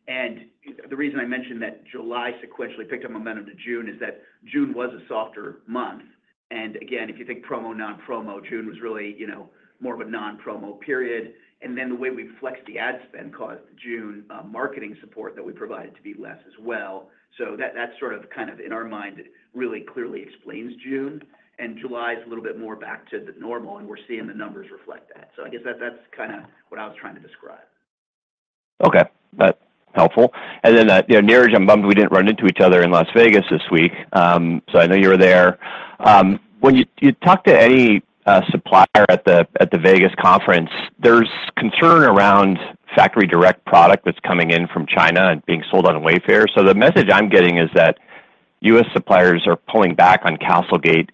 Speaker 3: And the reason I mentioned that July sequentially picked up momentum to June is that June was a softer month. And again, if you think promo, non-promo, June was really, you know, more of a non-promo period. And then the way we flexed the ad spend caused June marketing support that we provided to be less as well. So that, that's sort of, kind of in our mind, really clearly explains June, and July is a little bit more back to the normal, and we're seeing the numbers reflect that. So I guess that's kind of what I was trying to describe.
Speaker 6: Okay. That's helpful. And then, you know, Niraj, I'm bummed we didn't run into each other in Las Vegas this week, so I know you were there. When you talk to any supplier at the Vegas conference, there's concern around factory direct product that's coming in from China and being sold on Wayfair. So the message I'm getting is that U.S. suppliers are pulling back on CastleGate.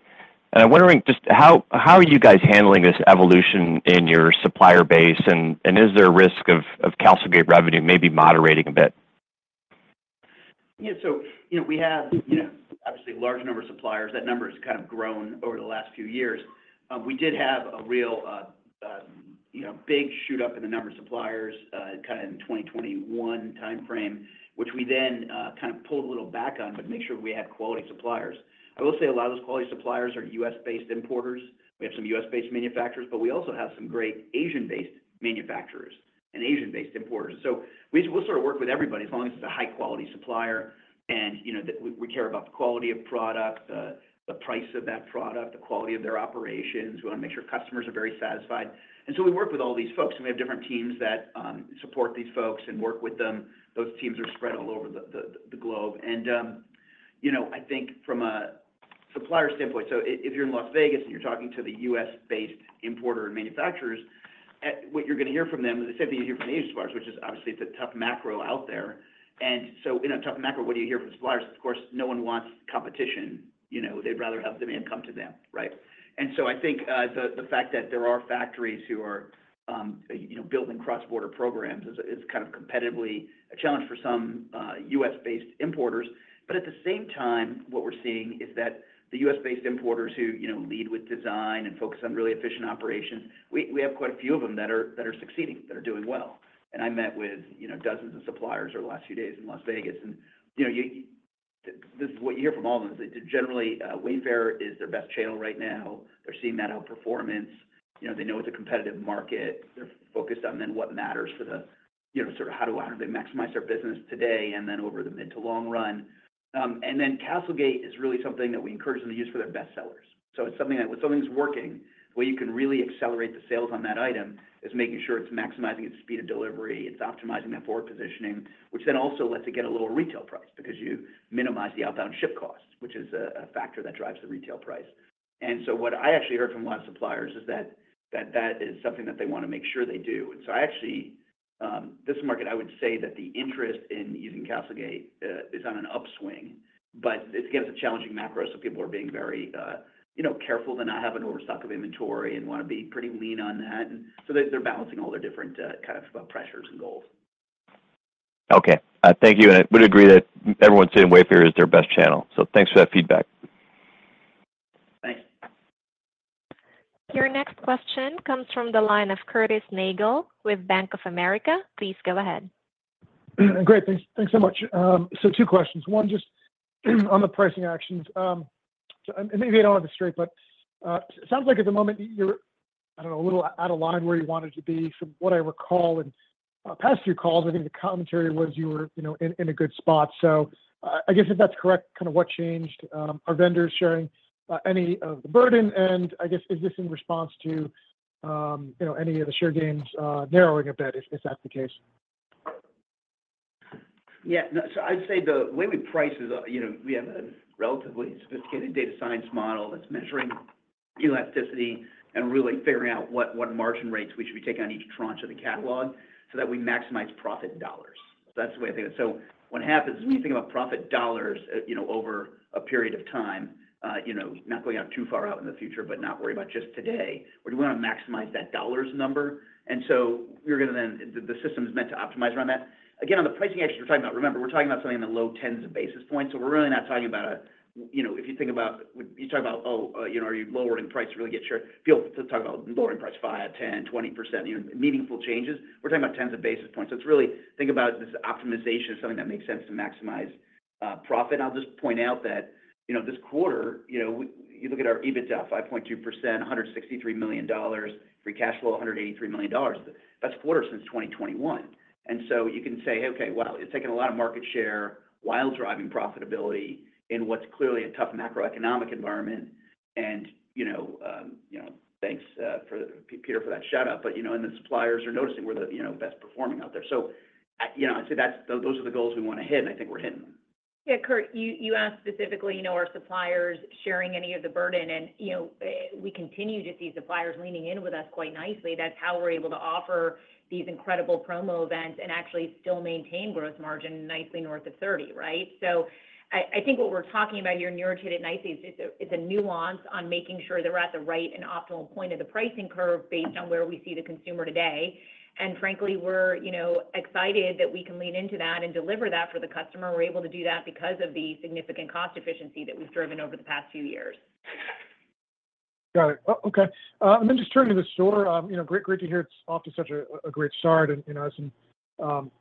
Speaker 6: And I'm wondering just how are you guys handling this evolution in your supplier base, and is there a risk of CastleGate revenue maybe moderating a bit?
Speaker 3: Yeah. So, you know, we have, you know, obviously, a large number of suppliers. That number has kind of grown over the last few years. We did have a real, you know, big shoot up in the number of suppliers, kind of in the 2021 timeframe, which we then, kind of pulled a little back on, but make sure we had quality suppliers. I will say a lot of those quality suppliers are U.S.-based importers. We have some U.S.-based manufacturers, but we also have some great Asian-based manufacturers and Asian-based importers. So we, we'll sort of work with everybody as long as it's a high-quality supplier and, you know, that we, we care about the quality of product, the price of that product, the quality of their operations. We want to make sure customers are very satisfied. And so we work with all these folks, and we have different teams that support these folks and work with them. Those teams are spread all over the globe. And you know, I think from a supplier standpoint, so if you're in Las Vegas, and you're talking to the U.S.-based importer and manufacturers, what you're gonna hear from them is the same thing you hear from Asian suppliers, which is obviously it's a tough macro out there. And so in a tough macro, what do you hear from suppliers? Of course, no one wants competition. You know, they'd rather have demand come to them, right? And so I think the fact that there are factories who are, you know, building cross-border programs is kind of competitively a challenge for some U.S.-based importers. But at the same time, what we're seeing is that the U.S.-based importers who, you know, lead with design and focus on really efficient operations, we, we have quite a few of them that are, that are succeeding, that are doing well. And I met with, you know, dozens of suppliers over the last few days in Las Vegas, and, you know, you. This is what you hear from all of them, is that generally, Wayfair is their best channel right now. They're seeing that outperformance. You know, they know it's a competitive market. They're focused on then what matters for the, you know, sort of how do, how do they maximize their business today and then over the mid to long run. And then CastleGate is really something that we encourage them to use for their best sellers. So it's something that when something's working, the way you can really accelerate the sales on that item is making sure it's maximizing its speed of delivery, it's optimizing that forward positioning, which then also lets it get a little retail price because you minimize the outbound ship costs, which is a factor that drives the retail price. And so what I actually heard from a lot of suppliers is that that is something that they want to make sure they do. And so I actually, this market, I would say that the interest in using CastleGate is on an upswing, but it's, again, it's a challenging macro, so people are being very, you know, careful to not have an overstock of inventory and want to be pretty lean on that. And so they, they're balancing all their different, kind of pressures and goals.
Speaker 6: Okay. Thank you, and I would agree that everyone's saying Wayfair is their best channel. So thanks for that feedback.
Speaker 3: Thanks.
Speaker 1: Your next question comes from the line of Curtis Nagle with Bank of America. Please go ahead.
Speaker 7: Great. Thanks. Thanks so much. So two questions. One, just on the pricing actions. So and maybe I don't have this straight, but it sounds like at the moment, you're, I don't know, a little out of line where you wanted to be, from what I recall. In past few calls, I think the commentary was you were, you know, in a good spot. So I guess if that's correct, kind of what changed? Are vendors sharing any of the burden? And I guess, is this in response to, you know, any of the share gains narrowing a bit, if that's the case?
Speaker 3: Yeah. No, so I'd say the way we price is, you know, we have a relatively sophisticated data science model that's measuring elasticity and really figuring out what margin rates we should be taking on each tranche of the catalog so that we maximize profit dollars. That's the way I think. So what happens is, when you think about profit dollars, you know, over a period of time, you know, not going out too far out in the future, but not worry about just today, we wanna maximize that dollars number. And so we're gonna then. The system is meant to optimize around that. Again, on the pricing actions you're talking about, remember, we're talking about something in the low tens of basis points. So we're really not talking about, you know, if you think about... You're talking about, you know, are you lowering price to really get your people to talk about lowering price 5%, 10%, 20%, you know, meaningful changes. We're talking about tens of basis points. So it's really think about this optimization as something that makes sense to maximize profit. I'll just point out that, you know, this quarter, you know, you look at our EBITDA, 5.2%, $163 million. Free cash flow, $183 million. That's quarter since 2021. And so you can say, "Okay, wow, it's taking a lot of market share while driving profitability in what's clearly a tough macroeconomic environment." And, you know, you know, thanks for Peter for that shout-out. But, you know, and the suppliers are noticing we're the, you know, best performing out there. You know, I'd say that's, those are the goals we wanna hit, and I think we're hitting them.
Speaker 4: Yeah, Curtis, you, you asked specifically, you know, are suppliers sharing any of the burden, and, you know, we continue to see suppliers leaning in with us quite nicely. That's how we're able to offer these incredible promo events and actually still maintain gross margin nicely north of 30%, right? So I think what we're talking about here, Niraj, hit it nicely, is a nuance on making sure that we're at the right and optimal point of the pricing curve based on where we see the consumer today. And frankly, we're, you know, excited that we can lean into that and deliver that for the customer. We're able to do that because of the significant cost efficiency that we've driven over the past few years.
Speaker 7: Got it. Oh, okay. And then just turning to the store, you know, great, great to hear it's off to such a great start and, you know, has some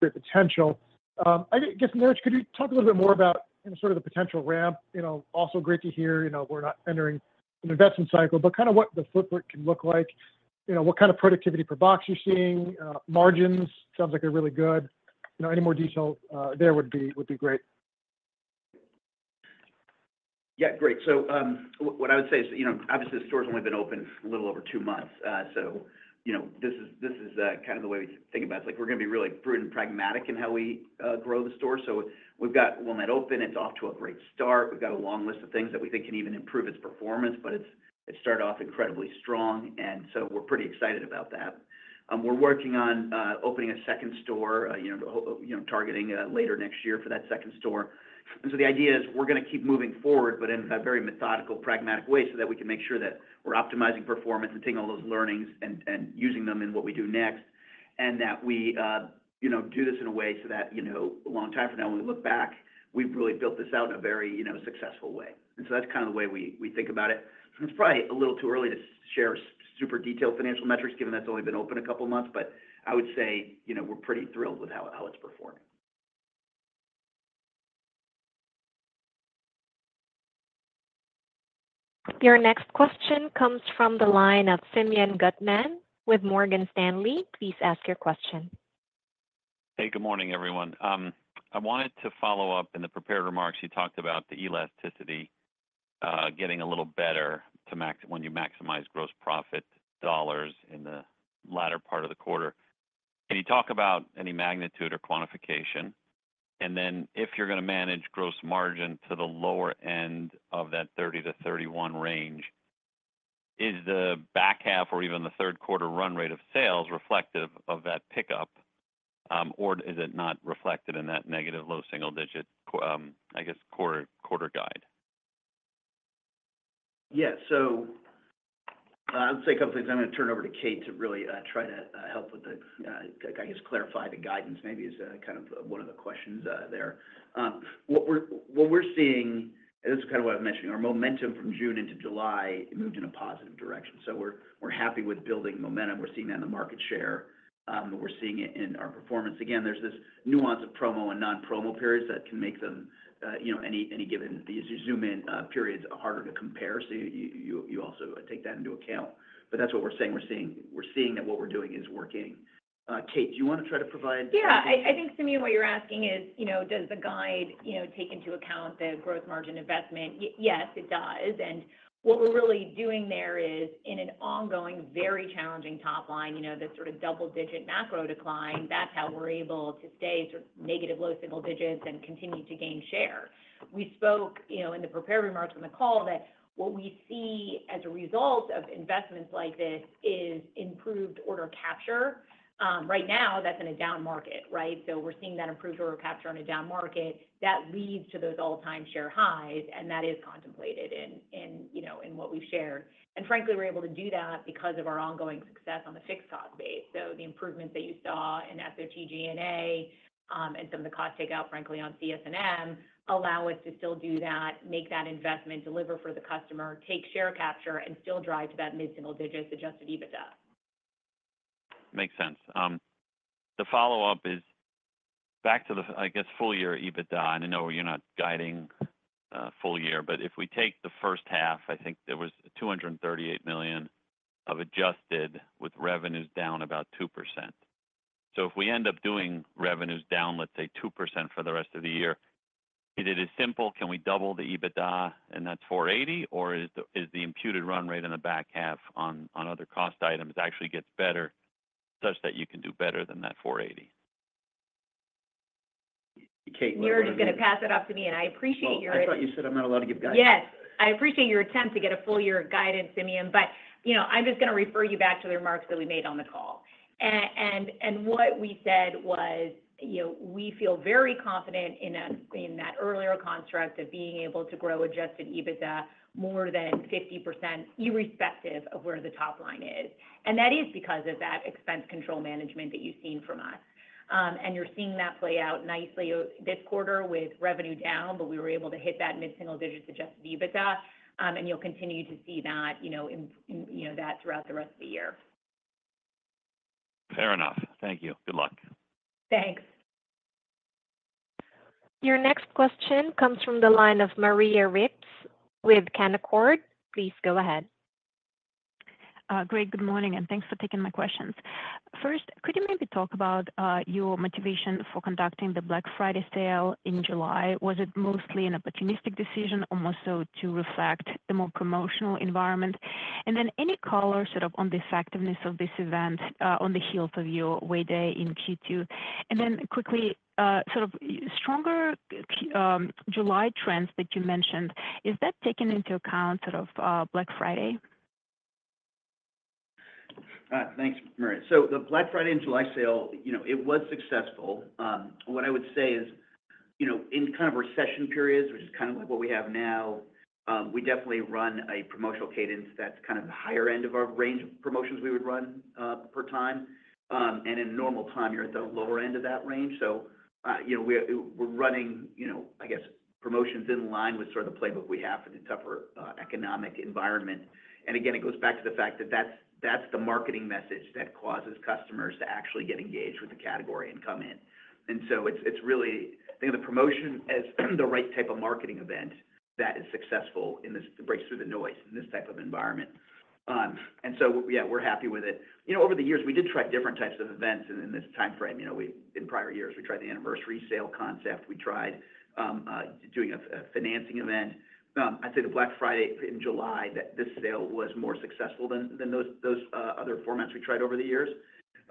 Speaker 7: great potential. I guess, Niraj, could you talk a little bit more about sort of the potential ramp? You know, also great to hear, you know, we're not entering an investment cycle, but kind of what the footprint can look like. You know, what kind of productivity per box you're seeing, margins, sounds like they're really good. You know, any more detail there would be great.
Speaker 3: Yeah, great. So, what I would say is, you know, obviously, the store's only been open a little over two months. So, you know, this is, this is kind of the way we think about it. Like, we're gonna be really prudent and pragmatic in how we grow the store. So we've got Wilmette open. It's off to a great start. We've got a long list of things that we think can even improve its performance, but it started off incredibly strong, and so we're pretty excited about that. We're working on opening a second store, you know, targeting later next year for that second store. And so the idea is we're gonna keep moving forward, but in a very methodical, pragmatic way, so that we can make sure that we're optimizing performance and taking all those learnings and using them in what we do next. And that we, you know, do this in a way so that, you know, a long time from now, when we look back, we've really built this out in a very, you know, successful way. And so that's kind of the way we think about it. It's probably a little too early to share super detailed financial metrics, given that it's only been open a couple months, but I would say, you know, we're pretty thrilled with how it's performing.
Speaker 1: Your next question comes from the line of Simeon Gutman with Morgan Stanley. Please ask your question.
Speaker 8: Hey, good morning, everyone. I wanted to follow up in the prepared remarks; you talked about the elasticity getting a little better to maximize gross profit dollars in the latter part of the quarter. Can you talk about any magnitude or quantification? And then if you're gonna manage gross margin to the lower end of that 30%-31% range, is the back half or even the third quarter run rate of sales reflective of that pickup, or is it not reflected in that negative low single digit, I guess, quarter-over-quarter guide?
Speaker 3: Yeah. So, I'd say a couple things. I'm gonna turn it over to Kate to really try to help with the... I guess, clarify the guidance maybe is kind of one of the questions there. What we're seeing, and this is kind of what I've mentioned, our momentum from June into July moved in a positive direction. So we're happy with building momentum. We're seeing that in the market share, but we're seeing it in our performance. Again, there's this nuance of promo and non-promo periods that can make them, you know, any given, as you zoom in, periods harder to compare. So you also take that into account, but that's what we're saying. We're seeing that what we're doing is working. Kate, do you want to try to provide-
Speaker 4: Yeah. I think, Simeon, what you're asking is, you know, does the guide, you know, take into account the growth margin investment? Yes, it does. And what we're really doing there is in an ongoing, very challenging top line, you know, this sort of double-digit macro decline, that's how we're able to stay sort of negative, low single digits and continue to gain share. We spoke, you know, in the prepared remarks on the call that what we see as a result of investments like this is improved order capture. Right now, that's in a down market, right? So we're seeing that improved order capture on a down market. That leads to those all-time share highs, and that is contemplated in, you know, in what we've shared. And frankly, we're able to do that because of our ongoing success on the fixed cost base. So the improvements that you saw in SOTG&A, and some of the cost takeout, frankly, on CS&M, allow us to still do that, make that investment, deliver for the customer, take share capture, and still drive to that mid-single digits Adjusted EBITDA.
Speaker 8: Makes sense. The follow-up is back to the, I guess, full year EBITDA, and I know you're not guiding full year, but if we take the first half, I think there was $238 million of adjusted, with revenues down about 2%. So if we end up doing revenues down, let's say, 2% for the rest of the year, is it as simple, can we double the EBITDA and that's $480 million, or is the imputed run rate in the back half on other cost items actually gets better, such that you can do better than that $480 million?
Speaker 3: Kate, what do you-
Speaker 4: You're gonna pass it off to me, and I appreciate your-
Speaker 3: Well, I thought you said I'm not allowed to give guidance.
Speaker 4: Yes. I appreciate your attempt to get a full year of guidance, Simeon, but, you know, I'm just gonna refer you back to the remarks that we made on the call. And what we said was, you know, we feel very confident in that earlier construct of being able to grow Adjusted EBITDA more than 50%, irrespective of where the top line is. And that is because of that expense control management that you've seen from us. And you're seeing that play out nicely this quarter with revenue down, but we were able to hit that mid-single digit Adjusted EBITDA, and you'll continue to see that, you know, that throughout the rest of the year.
Speaker 8: Fair enough. Thank you. Good luck.
Speaker 4: Thanks.
Speaker 1: Your next question comes from the line of Maria Ripps with Canaccord. Please go ahead.
Speaker 9: Great. Good morning, and thanks for taking my questions. First, could you maybe talk about your motivation for conducting the Black Friday sale in July? Was it mostly an opportunistic decision or more so to reflect the more promotional environment? And then any color sort of on the effectiveness of this event on the heels of your Way Day in Q2? And then quickly, sort of stronger July trends that you mentioned, is that taken into account, sort of Black Friday?
Speaker 3: Thanks, Maria. So the Black Friday in July sale, you know, it was successful. What I would say is, you know, in kind of recession periods, which is kind of like what we have now, we definitely run a promotional cadence that's kind of higher end of our range of promotions we would run per time. And in normal time, you're at the lower end of that range. So, you know, we're, we're running, you know, I guess promotions in line with sort of the playbook we have in a tougher economic environment. And again, it goes back to the fact that that's, that's the marketing message that causes customers to actually get engaged with the category and come in. And so it's, it's really... I think the promotion as the right type of marketing event that is successful in this, to break through the noise in this type of environment. And so, yeah, we're happy with it. You know, over the years, we did try different types of events in this time frame. You know, we in prior years, we tried the anniversary sale concept, we tried doing a financing event. I'd say the Black Friday in July, that this sale was more successful than those other formats we tried over the years.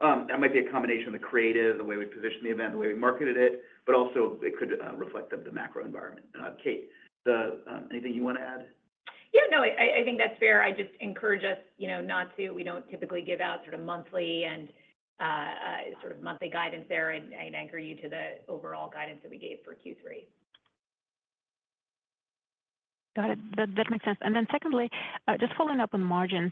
Speaker 3: That might be a combination of the creative, the way we positioned the event, the way we marketed it, but also it could reflect the macro environment. Kate, anything you want to add?
Speaker 4: Yeah, no, I think that's fair. I just encourage us, you know, not to. We don't typically give out sort of monthly and sort of monthly guidance there, and anchor you to the overall guidance that we gave for Q3.
Speaker 9: Got it. That makes sense. And then secondly, just following up on the margins,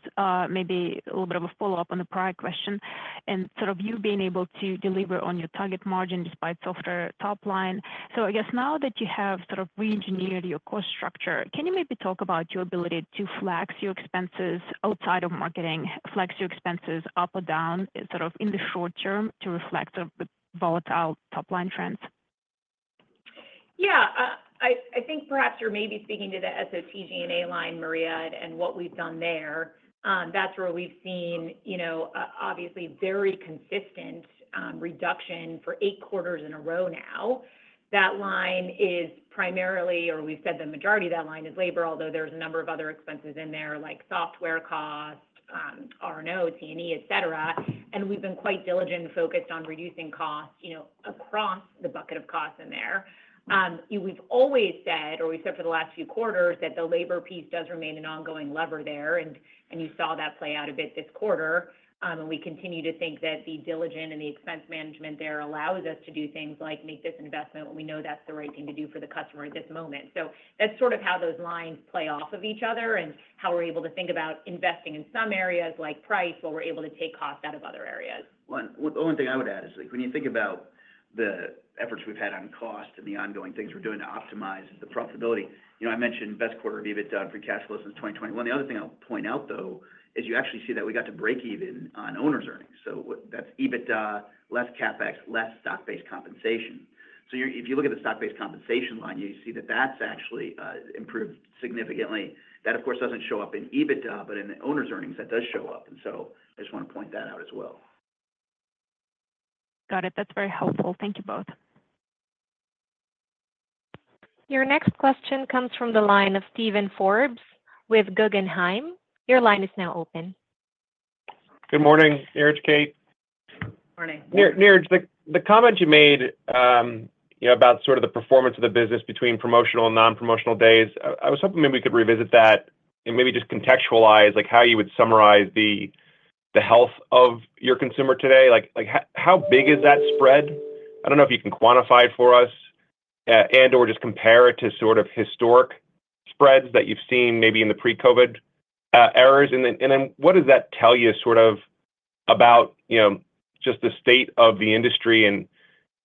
Speaker 9: maybe a little bit of a follow-up on the prior question, and sort of you being able to deliver on your target margin despite softer top line. So I guess now that you have sort of reengineered your cost structure, can you maybe talk about your ability to flex your expenses outside of marketing, flex your expenses up or down, sort of in the short term, to reflect the volatile top-line trends?
Speaker 4: Yeah, I think perhaps you're maybe speaking to the SOTG&A line, Maria, and what we've done there. That's where we've seen, you know, obviously, very consistent reduction for eight quarters in a row now. That line is primarily, or we've said the majority of that line is labor, although there's a number of other expenses in there, like software costs, RNO, T&E, et cetera. And we've been quite diligent and focused on reducing costs, you know, across the bucket of costs in there. We've always said, or we said for the last few quarters, that the labor piece does remain an ongoing lever there, and you saw that play out a bit this quarter. And we continue to think that the diligence and the expense management there allows us to do things like make this investment when we know that's the right thing to do for the customer at this moment. So that's sort of how those lines play off of each other and how we're able to think about investing in some areas, like price, while we're able to take costs out of other areas.
Speaker 3: The only thing I would add is, like, when you think about the efforts we've had on cost and the ongoing things we're doing to optimize the profitability, you know, I mentioned best quarter of EBITDA free cash flow since 2021. The other thing I'll point out, though, is you actually see that we got to break even on owners' earnings. So that's EBITDA, less CapEx, less stock-based compensation. So if you look at the stock-based compensation line, you see that that's actually improved significantly. That, of course, doesn't show up in EBITDA, but in the owners' earnings, that does show up, and so I just want to point that out as well.
Speaker 9: Got it. That's very helpful. Thank you both.
Speaker 1: Your next question comes from the line of Steven Forbes with Guggenheim. Your line is now open.
Speaker 10: Good morning, Niraj, Kate.
Speaker 4: Morning.
Speaker 10: Niraj, the comment you made, you know, about sort of the performance of the business between promotional and non-promotional days, I was hoping maybe we could revisit that and maybe just contextualize, like, how you would summarize the, the health of your consumer today. Like, like, how, how big is that spread? I don't know if you can quantify it for us, and/or just compare it to sort of historic spreads that you've seen maybe in the pre-COVID eras. And then, and then what does that tell you sort of about, you know, just the state of the industry and,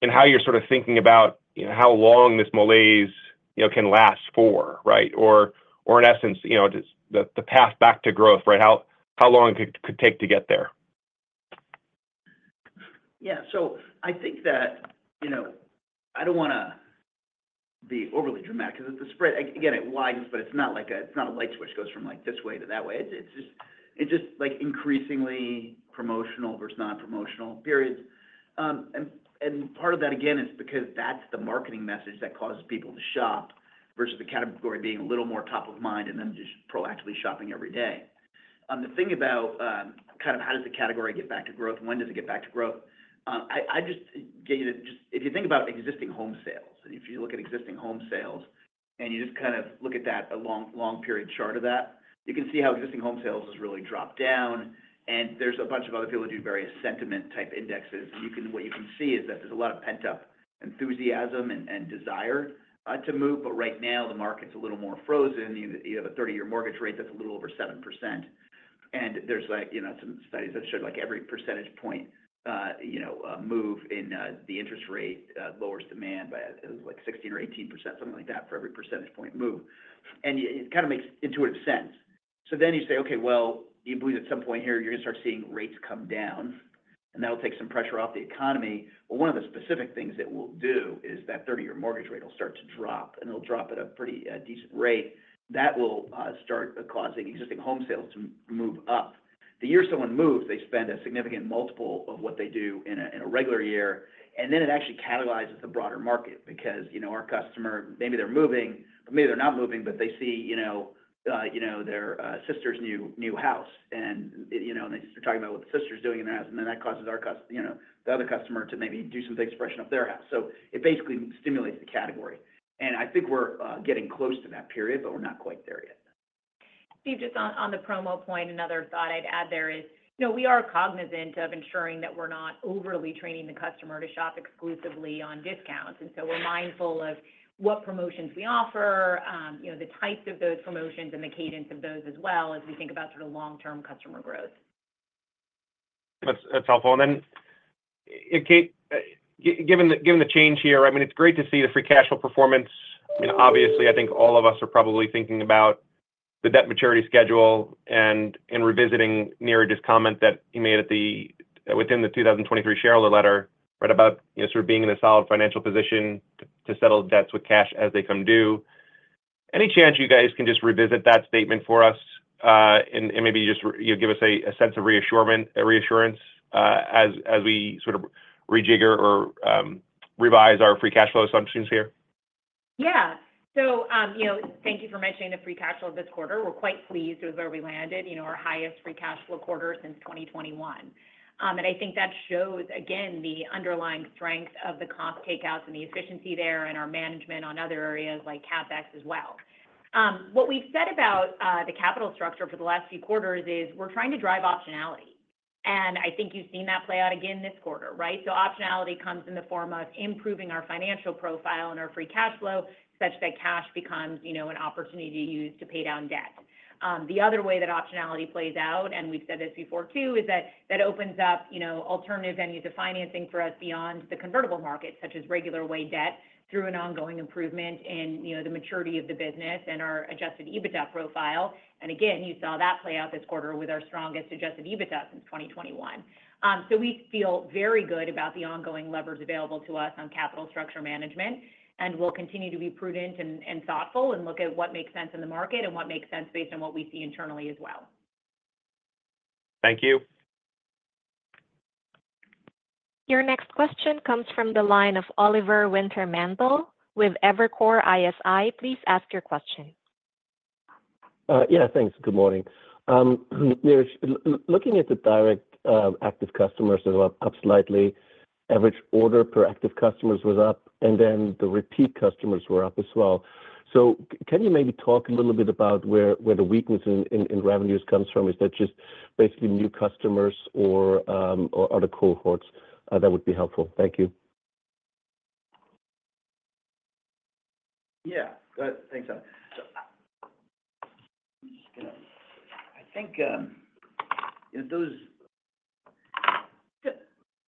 Speaker 10: and how you're sort of thinking about, you know, how long this malaise, you know, can last for, right? Or, or in essence, you know, just the, the path back to growth, right? How, how long it could take to get there?
Speaker 3: Yeah. So I think that, you know, I don't wanna be overly dramatic because if the spread, again, it widens, but it's not like a—it's not a light switch goes from, like, this way to that way. It's just, it's just, like, increasingly promotional versus non-promotional periods. And part of that, again, is because that's the marketing message that causes people to shop versus the category being a little more top of mind and then just proactively shopping every day. The thing about, kind of how does the category get back to growth and when does it get back to growth? I just get you to just— If you think about existing home sales, and if you look at existing home sales, and you just kind of look at that, a long, long-period chart of that, you can see how existing home sales has really dropped down, and there's a bunch of other people who do various sentiment-type indexes. And you can— what you can see is that there's a lot of pent-up enthusiasm and desire to move, but right now, the market's a little more frozen. You have a 30-year mortgage rate that's a little over 7%. And there's, like, you know, some studies that show, like, every percentage point move in the interest rate lowers demand by like 16% or 18%, something like that, for every percentage point move. It kind of makes intuitive sense. So then you say, "Okay, well, you believe at some point here, you're gonna start seeing rates come down, and that will take some pressure off the economy." But one of the specific things that we'll do is that 30-year mortgage rate will start to drop, and it'll drop at a pretty, decent rate. That will start causing existing home sales to move up. The year someone moves, they spend a significant multiple of what they do in a regular year, and then it actually catalyzes the broader market because, you know, our customer, maybe they're moving, or maybe they're not moving, but they see, you know, you know, their sister's new house, and, you know, and they start talking about what the sister's doing in their house, and then that causes you know, the other customer to maybe do some things to freshen up their house. So it basically stimulates the category. And I think we're getting close to that period, but we're not quite there yet.
Speaker 4: Steve, just on the promo point, another thought I'd add there is, you know, we are cognizant of ensuring that we're not overly training the customer to shop exclusively on discounts. And so we're mindful of what promotions we offer, you know, the types of those promotions, and the cadence of those as well, as we think about sort of long-term customer growth.
Speaker 10: That's, that's helpful. And then, and Kate, given the, given the change here, I mean, it's great to see the free cash flow performance. I mean, obviously, I think all of us are probably thinking about the debt maturity schedule and in revisiting Niraj's comment that he made at the, within the 2023 shareholder letter, right about, you know, sort of being in a solid financial position to settle debts with cash as they come due. Any chance you guys can just revisit that statement for us, and, and maybe just, you know, give us a, a sense of reassurance, as, as we sort of rejigger or revise our free cash flow assumptions here?
Speaker 4: Yeah. So, you know, thank you for mentioning the free cash flow this quarter. We're quite pleased with where we landed, you know, our highest free cash flow quarter since 2021. And I think that shows, again, the underlying strength of the cost takeouts and the efficiency there, and our management on other areas like CapEx as well. What we've said about the capital structure for the last few quarters is we're trying to drive optionality, and I think you've seen that play out again this quarter, right? So optionality comes in the form of improving our financial profile and our free cash flow, such that cash becomes, you know, an opportunity to use to pay down debt. The other way that optionality plays out, and we've said this before, too, is that that opens up, you know, alternative avenues of financing for us beyond the convertible market, such as regular way debt, through an ongoing improvement in, you know, the maturity of the business and our Adjusted EBITDA profile. And again, you saw that play out this quarter with our strongest Adjusted EBITDA since 2021. So we feel very good about the ongoing levers available to us on capital structure management, and we'll continue to be prudent and thoughtful and look at what makes sense in the market and what makes sense based on what we see internally as well.
Speaker 10: Thank you.
Speaker 1: Your next question comes from the line of Oliver Wintermantel with Evercore ISI. Please ask your question.
Speaker 11: Yeah, thanks. Good morning. Niraj, looking at the direct active customers as well, up slightly. Average order per active customers was up, and then the repeat customers were up as well. So can you maybe talk a little bit about where the weakness in revenues comes from? Is that just basically new customers or other cohorts? That would be helpful. Thank you.
Speaker 3: Yeah. Thanks, Oliver. So, I'm just gonna... I think, you know, those-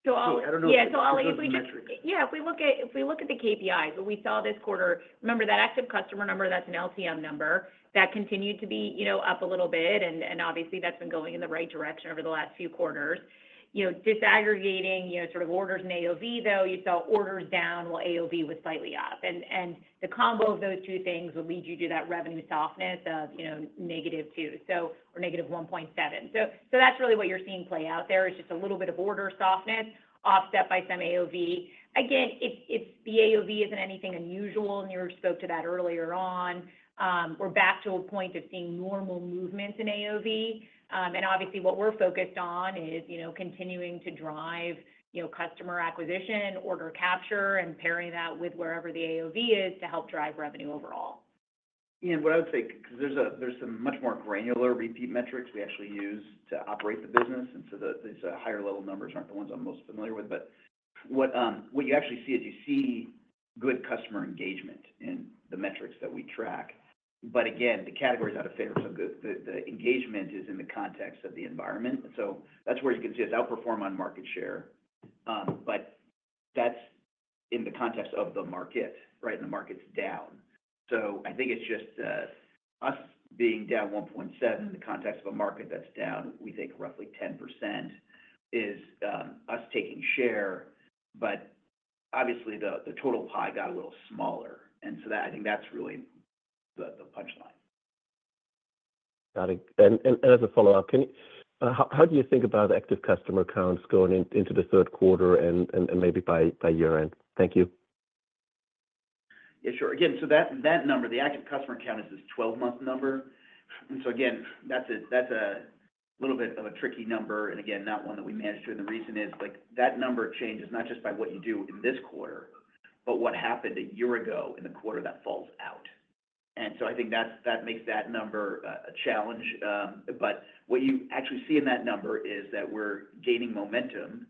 Speaker 4: So, I'll-
Speaker 5: I don't know-
Speaker 4: Yeah, so I'll-
Speaker 5: -those metrics.
Speaker 4: Yeah, if we look at the KPIs, what we saw this quarter. Remember, that active customer number, that's an LTM number. That continued to be, you know, up a little bit, and obviously, that's been going in the right direction over the last few quarters. You know, disaggregating, you know, sort of orders and AOV, though, you saw orders down while AOV was slightly up. And the combo of those two things would lead you to that revenue softness of, you know, -2, so—or -1.7. So that's really what you're seeing play out there, is just a little bit of order softness, offset by some AOV. Again, it's the AOV isn't anything unusual, and Niraj spoke to that earlier on. We're back to a point of seeing normal movement in AOV. Obviously, what we're focused on is, you know, continuing to drive, you know, customer acquisition, order capture, and pairing that with wherever the AOV is to help drive revenue overall.
Speaker 3: What I would say, 'cause there's some much more granular repeat metrics we actually use to operate the business, and so these higher level numbers aren't the ones I'm most familiar with. But what you actually see is you see good customer engagement in the metrics that we track. But again, the category is out of favor, so the engagement is in the context of the environment. So that's where you can see us outperform on market share, but that's in the context of the market, right? The market's down. So I think it's just us being down 1.7 in the context of a market that's down, we think, roughly 10% is us taking share. But obviously, the total pie got a little smaller, and so that, I think that's really the punchline.
Speaker 11: Got it. And as a follow-up, how do you think about active customer counts going into the third quarter and maybe by year-end? Thank you.
Speaker 3: Yeah, sure. Again, so that number, the active customer count, is this 12-month number. And so again, that's a little bit of a tricky number, and again, not one that we manage to. And the reason is, like, that number changes not just by what you do in this quarter, but what happened a year ago in the quarter that falls out. And so I think that makes that number a challenge. But what you actually see in that number is that we're gaining momentum,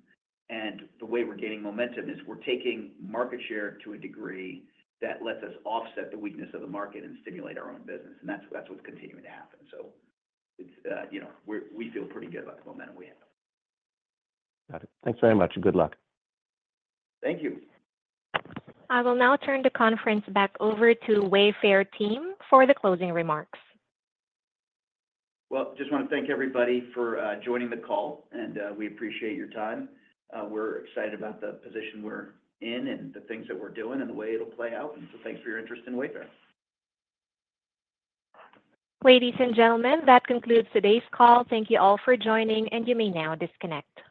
Speaker 3: and the way we're gaining momentum is we're taking market share to a degree that lets us offset the weakness of the market and stimulate our own business, and that's what's continuing to happen. So it's, you know, we feel pretty good about the momentum we have.
Speaker 11: Got it. Thanks very much, and good luck.
Speaker 3: Thank you.
Speaker 1: I will now turn the conference back over to Wayfair team for the closing remarks.
Speaker 3: Well, just wanna thank everybody for joining the call, and we appreciate your time. We're excited about the position we're in and the things that we're doing and the way it'll play out, and so thanks for your interest in Wayfair.
Speaker 1: Ladies and gentlemen, that concludes today's call. Thank you all for joining, and you may now disconnect.